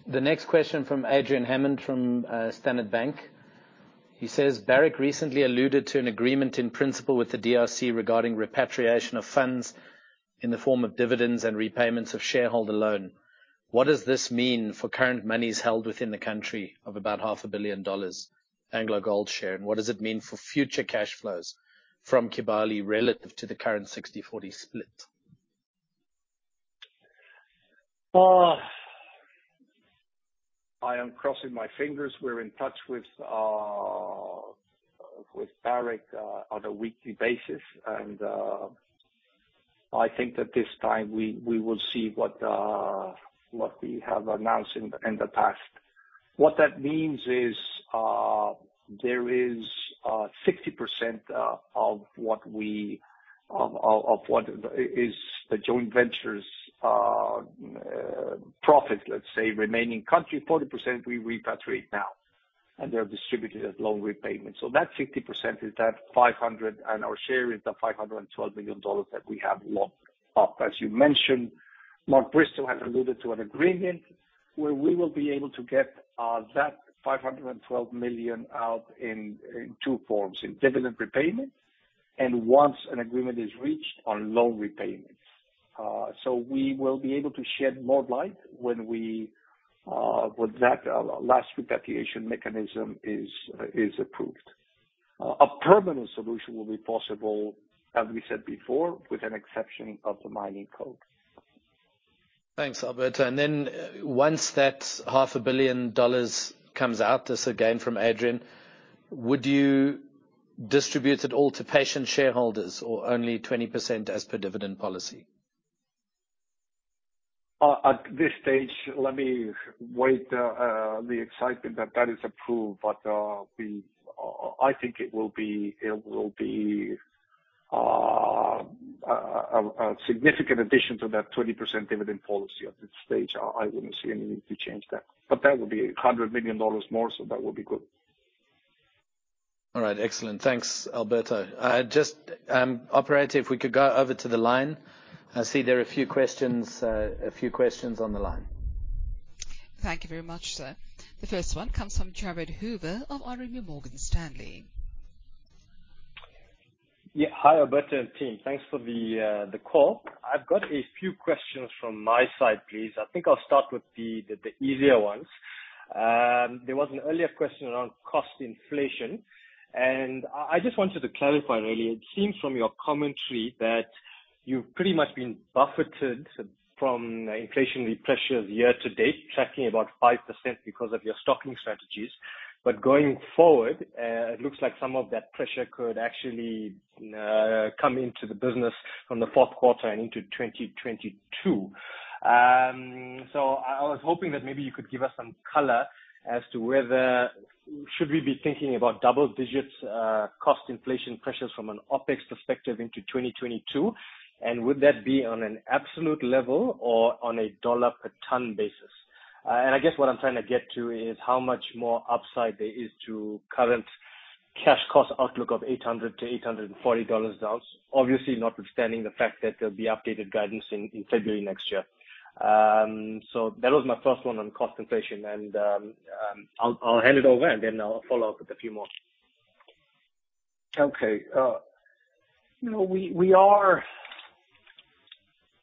The next question from Adrian Hammond from Standard Bank. He says, "Barrick recently alluded to an agreement in principle with the DRC regarding repatriation of funds in the form of dividends and repayments of shareholder loan. What does this mean for current monies held within the country of about $0.5 billion AngloGold share, and what does it mean for future cash flows from Kibali relative to the current 60/40 split? I am crossing my fingers. We're in touch with Barrick on a weekly basis, and I think that this time we will see what we have announced in the past. What that means is there is 60% of what is the joint venture's profit, let's say, remaining in country. 40% we repatriate now, and they're distributed as loan repayments. That 60% is that $500 million, and our share is the $512 million that we have locked up. As you mentioned, Mark Bristow has alluded to an agreement where we will be able to get that $512 million out in two forms, in dividend repayment, and once an agreement is reached, on loan repayments. We will be able to shed more light when that last repatriation mechanism is approved. A permanent solution will be possible, as we said before, with an exception of the mining code. Thanks, Alberto. Once that half a billion dollars comes out, this again from Adrian, would you distribute it all to patient shareholders or only 20% as per dividend policy? At this stage, the excitement that is approved, but I think it will be a significant addition to that 20% dividend policy. At this stage, I wouldn't see a need to change that, but that would be $100 million more, so that would be good. All right. Excellent. Thanks, Alberto. Just, operator, if we could go over to the line, I see there are a few questions on the line. Thank you very much, sir. The first one comes from Jared Hoover of RMB Morgan Stanley. Hi, Alberto and team. Thanks for the call. I've got a few questions from my side, please. I think I'll start with the easier ones. There was an earlier question around cost inflation, and I just wanted to clarify, really. It seems from your commentary that you've pretty much been buffeted from inflationary pressures year to date, tracking about 5% because of your stocking strategies. But going forward, it looks like some of that pressure could actually come into the business from the fourth quarter and into 2022. So I was hoping that maybe you could give us some color as to whether we should be thinking about double digits cost inflation pressures from an OpEx perspective into 2022? And would that be on an absolute level or on a $ per ton basis? I guess what I'm trying to get to is how much more upside there is to current cash cost outlook of $800-$840. Obviously notwithstanding the fact that there'll be updated guidance in February next year. That was my first one on cost inflation and I'll hand it over, and then I'll follow up with a few more. Okay. You know,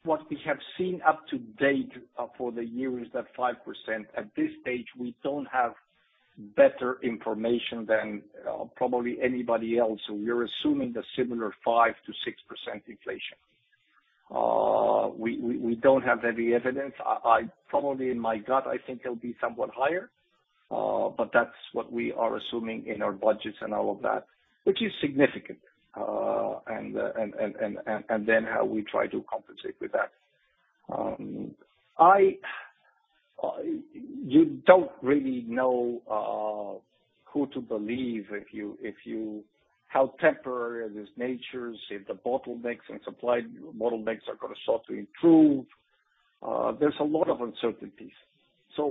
what we have seen to date for the year is 5%. At this stage, we don't have better information than probably anybody else, so we are assuming a similar 5%-6% inflation. We don't have any evidence. I probably in my gut think it'll be somewhat higher, but that's what we are assuming in our budgets and all of that, which is significant. And then how we try to compensate with that. You don't really know who to believe if you how temporary are these in nature, if the bottlenecks and supply bottlenecks are gonna start to improve. There's a lot of uncertainties.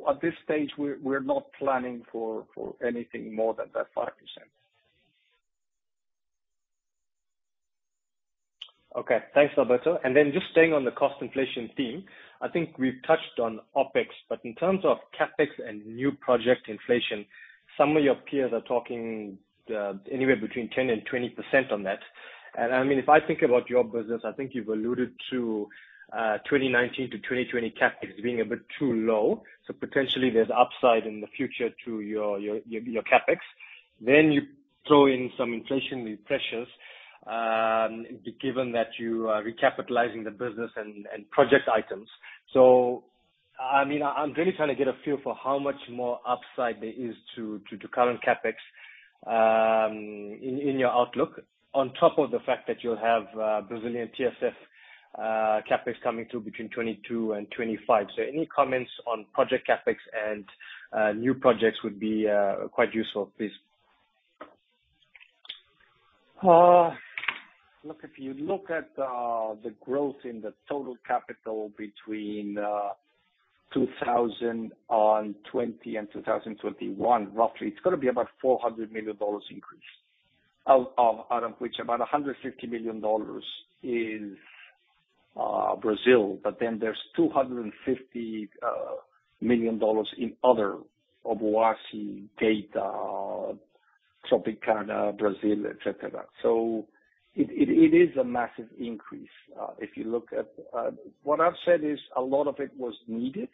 At this stage we're not planning for anything more than that 5%. Okay. Thanks, Alberto. Just staying on the cost inflation theme, I think we've touched on OpEx, but in terms of CapEx and new project inflation, some of your peers are talking anywhere between 10% and 20% on that. I mean, if I think about your business, I think you've alluded to 2019 to 2020 CapEx being a bit too low. Potentially there's upside in the future to your CapEx. Then you throw in some inflationary pressures given that you are recapitalizing the business and project items. I mean, I'm really trying to get a feel for how much more upside there is to current CapEx in your outlook on top of the fact that you'll have Brazilian TSF CapEx coming through between 2022 and 2025. Any comments on project CapEx and new projects would be quite useful, please. Look, if you look at the growth in the total capital between 2020 and 2021, roughly, it's gonna be about a $400 million increase. Out of which about $150 million is Brazil, but then there's $250 million in other Obuasi, Geita, Tropicana, Brazil, etc. It is a massive increase, if you look at what I've said is a lot of it was needed.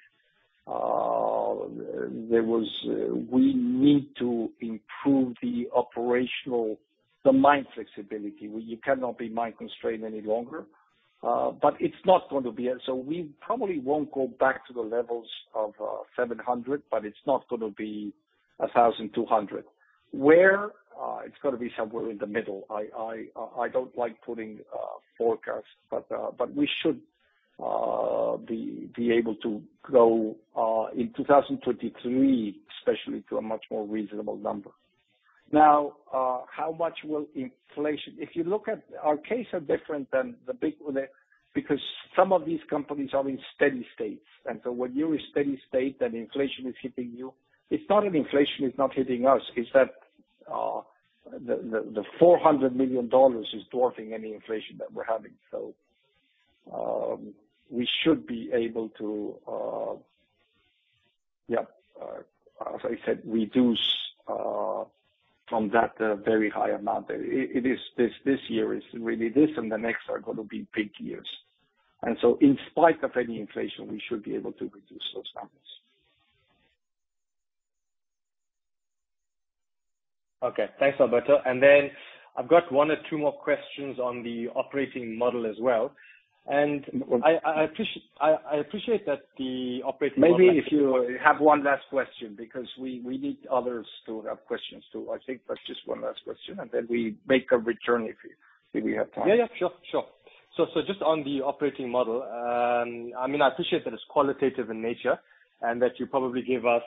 We need to improve the operational, the mine flexibility. We cannot be mine constrained any longer. But it's not going to be. We probably won't go back to the levels of $700 million, but it's not gonna be $1,200 million. Where? It's gonna be somewhere in the middle. I don't like putting forecasts. We should be able to grow in 2023, especially to a much more reasonable number. Now, how much will inflation impact. If you look at our cases are different than the big others because some of these companies are in steady states. When you're in steady state and inflation is hitting you, it's not that inflation is not hitting us, it's that the $400 million is dwarfing any inflation that we're having. We should be able to, as I said, reduce from that very high amount. This year is really it, and the next are gonna be big years. In spite of any inflation, we should be able to reduce those numbers. Okay. Thanks, Alberto. I've got one or two more questions on the operating model as well. I appreciate that the operating model. Maybe if you have one last question, because we need others to have questions too. I think just one last question, and then we make a return if we have time. Yeah. Sure. Just on the operating model, I mean, I appreciate that it's qualitative in nature, and that you probably gave us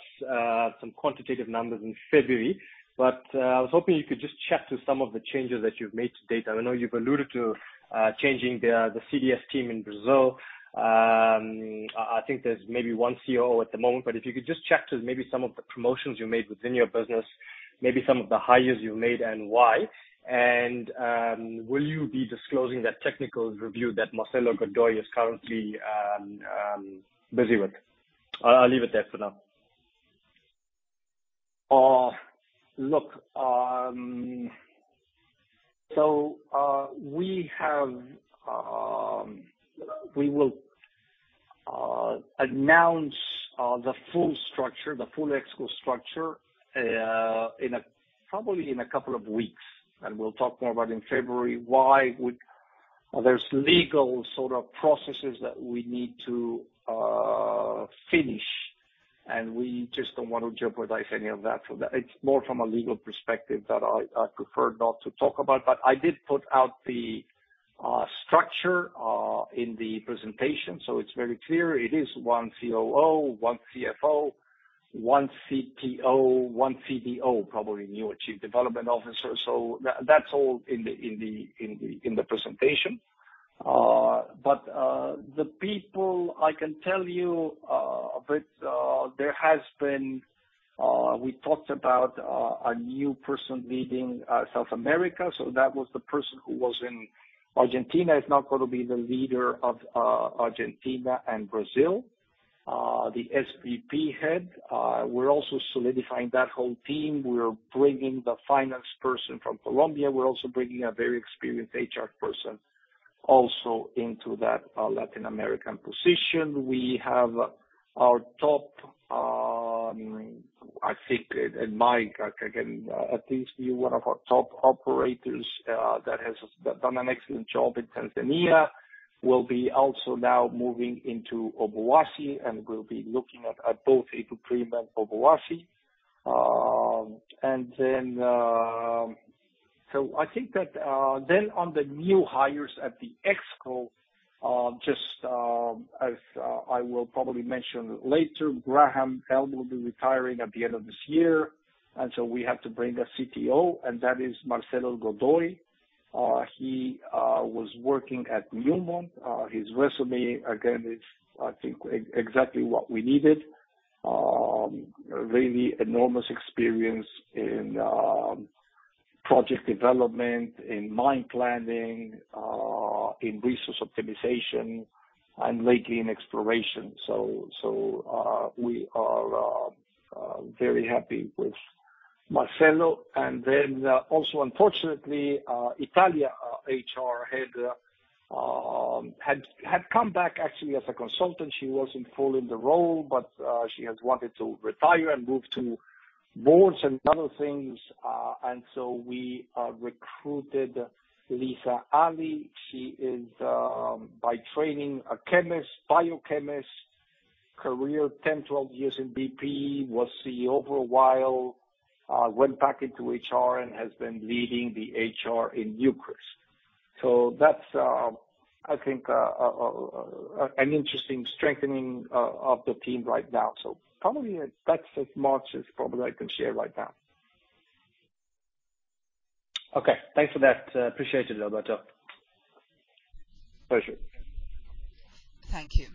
some quantitative numbers in February. I was hoping you could just chat through some of the changes that you've made to date. I know you've alluded to changing the CdS team in Brazil. I think there's maybe one COO at the moment, but if you could just chat to maybe some of the promotions you made within your business, maybe some of the hires you made and why. Will you be disclosing that technical review that Marcelo Godoy is currently busy with? I'll leave it there for now. Look, we will announce the full structure, the full Exco structure, probably in a couple of weeks. We'll talk more about in February why there's legal sort of processes that we need to finish, and we just don't want to jeopardize any of that. It's more from a legal perspective that I prefer not to talk about. I did put out the structure in the presentation, so it's very clear. It is one COO, one CFO, one CTO, one CDO, probably new chief development officer. That's all in the presentation. I can tell you a bit about the people. We talked about a new person leading South America. That was the person who was in Argentina is now gonna be the leader of Argentina and Brazil. The SBP head. We're also solidifying that whole team. We're bringing the finance person from Colombia. We're also bringing a very experienced HR person also into that Latin American position. We have our top, I think, and Mike, again, at least he's one of our top operators that has done an excellent job in Tanzania, will be also now moving into Obuasi, and will be looking at both Atebubu and Obuasi. I think that on the new hires at the Exco, as I will probably mention later, Graham Ehm will be retiring at the end of this year, and so we have to bring a CTO, and that is Marcelo Godoy. He was working at Newmont. His resume, again, is, I think, exactly what we needed. Really enormous experience in project development, in mine planning, in resource optimization and lately in exploration. We are very happy with Marcelo. Italia, our HR head, had come back actually as a consultant. She was in full in the role, but she has wanted to retire and move to boards and other things. We recruited Lisa Ali. She is, by training, a chemist, biochemist. Career 10, 12 years in BP, was CEO for a while, went back into HR and has been leading the HR in Newcrest. That's, I think, an interesting strengthening of the team right now. Probably that's as much as probably I can share right now. Okay, thanks for that. Appreciate it, Alberto. Pleasure. Thank you.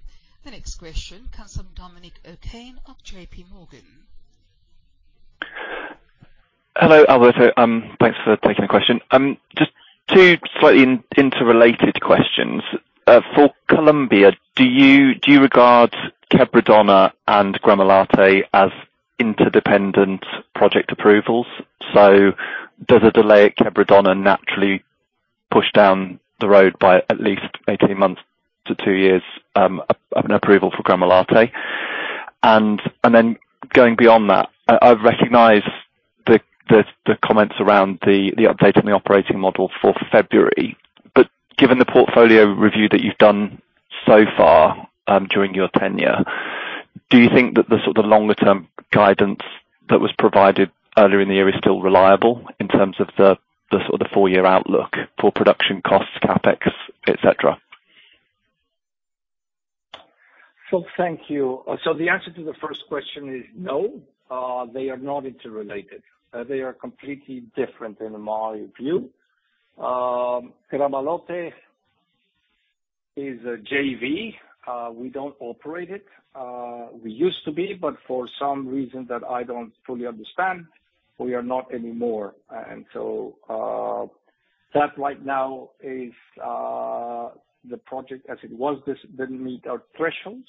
The next question comes from Dominic O'Kane of JPMorgan. Hello, Alberto. Thanks for taking the question. Just two slightly interrelated questions. For Colombia, do you regard Quebradona and Gramalote as interdependent project approvals? Does a delay at Quebradona naturally push down the road by at least 18 months to 2 years of an approval for Gramalote? Going beyond that, I recognize the comments around the update on the operating model for February. Given the portfolio review that you've done so far during your tenure, do you think that the sort of longer term guidance that was provided earlier in the year is still reliable in terms of the sort of 4-year outlook for production costs, CapEx, et cetera? Thank you. The answer to the first question is no. They are not interrelated. They are completely different in my view. Gramalote is a JV. We don't operate it. We used to be, but for some reason that I don't fully understand, we are not anymore. That right now is the project as it was. This didn't meet our thresholds.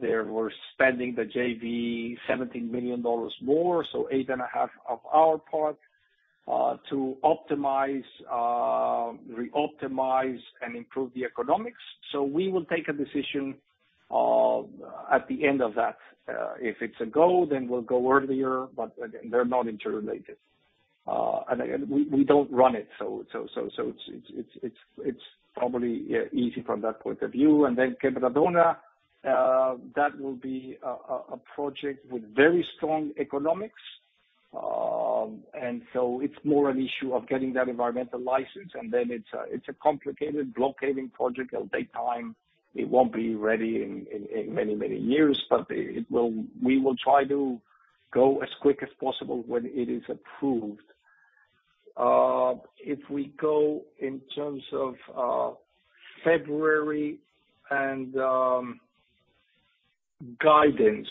They were spending the JV $17 million more, so $8.5 million of our part, to optimize, re-optimize and improve the economics. We will take a decision at the end of that. If it's a go, then we'll go earlier, but they're not interrelated. Again, we don't run it. It's probably, yeah, easy from that point of view. Quebradona, that will be a project with very strong economics. It's more an issue of getting that environmental license. It's a complicated block caving project. It'll take time. It won't be ready in many years. We will try to go as quick as possible when it is approved. If we go in terms of February and guidance.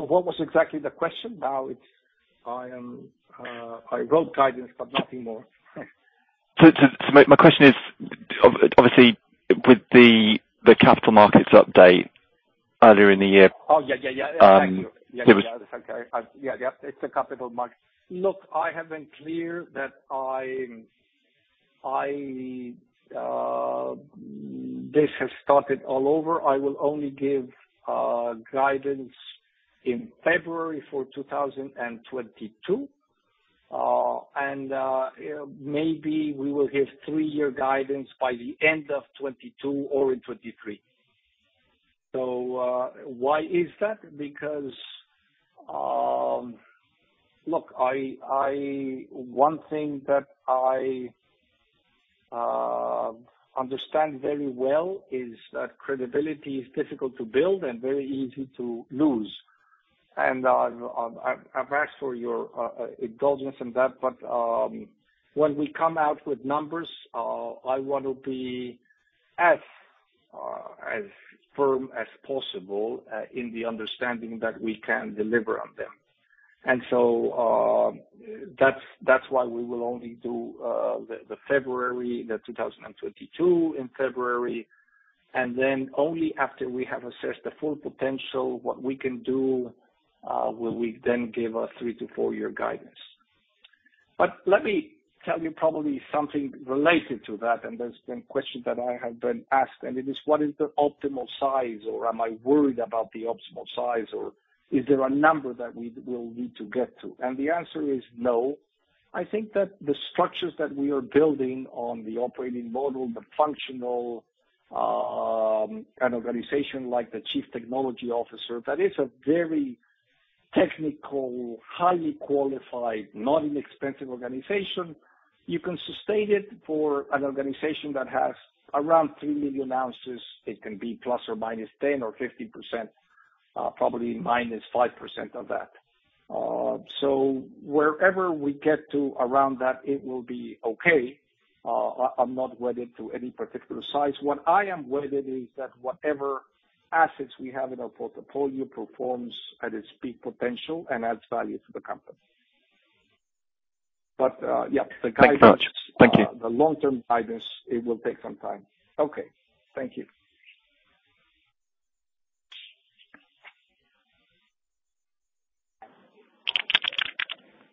What was exactly the question now? It's I mean, I wrote guidance, but nothing more. My question is, obviously with the capital markets update earlier in the year- Oh, yeah, yeah. Um- Thank you. There was- Yeah, yeah. It's okay. Yeah. Yep, it's the capital market. Look, I have been clear that this has started all over. I will only give guidance in February for 2022. Maybe we will give three-year guidance by the end of 2022 or in 2023. Why is that? Because look, one thing that I understand very well is that credibility is difficult to build and very easy to lose. I've asked for your indulgence in that. When we come out with numbers, I want to be as firm as possible in the understanding that we can deliver on them. That's why we will only do the February 2022 in February. Only after we have assessed the full potential, what we can do, will we then give a 3- to 4-year guidance. Let me tell you probably something related to that, and there's been questions that I have been asked, and it is what is the optimal size or am I worried about the optimal size, or is there a number that we will need to get to? The answer is no. I think that the structures that we are building on the operating model, the functional, an organization like the chief technology officer, that is a very technical, highly qualified, not inexpensive organization. You can sustain it for an organization that has around 3 million ounces. It can be plus or minus 10 or 15%, probably minus 5% of that. Wherever we get to around that, it will be okay. I'm not wedded to any particular size. What I am wedded is that whatever assets we have in our portfolio performs at its peak potential and adds value to the company. The guidance- Thanks so much. Thank you. The long-term guidance, it will take some time. Okay. Thank you.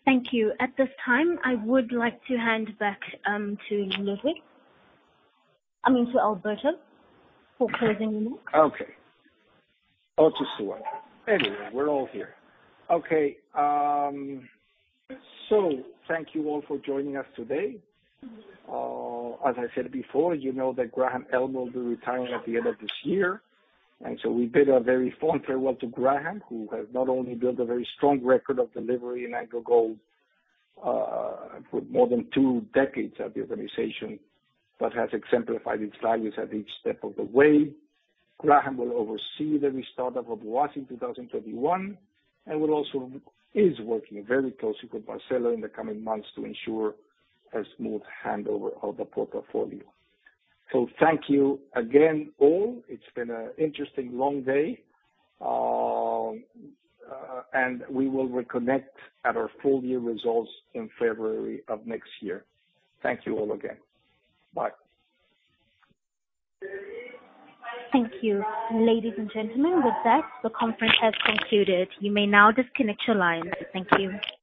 Thank you. At this time, I would like to hand back to Alberto for closing remarks. We're all here. Thank you all for joining us today. As I said before, you know that Graham Ehm will be retiring at the end of this year. We bid a very fond farewell to Graham, who has not only built a very strong record of delivery in AngloGold Ashanti, for more than two decades at the organization, but has exemplified its values at each step of the way. Graham Ehm will oversee the restart of Obuasi in 2021, and is working very closely with Marcelo in the coming months to ensure a smooth handover of the portfolio. Thank you again, all. It's been an interesting long day. We will reconnect at our full-year results in February of next year. Thank you all again. Bye. Thank you. Ladies and gentlemen, with that, the conference has concluded. You may now disconnect your lines. Thank you.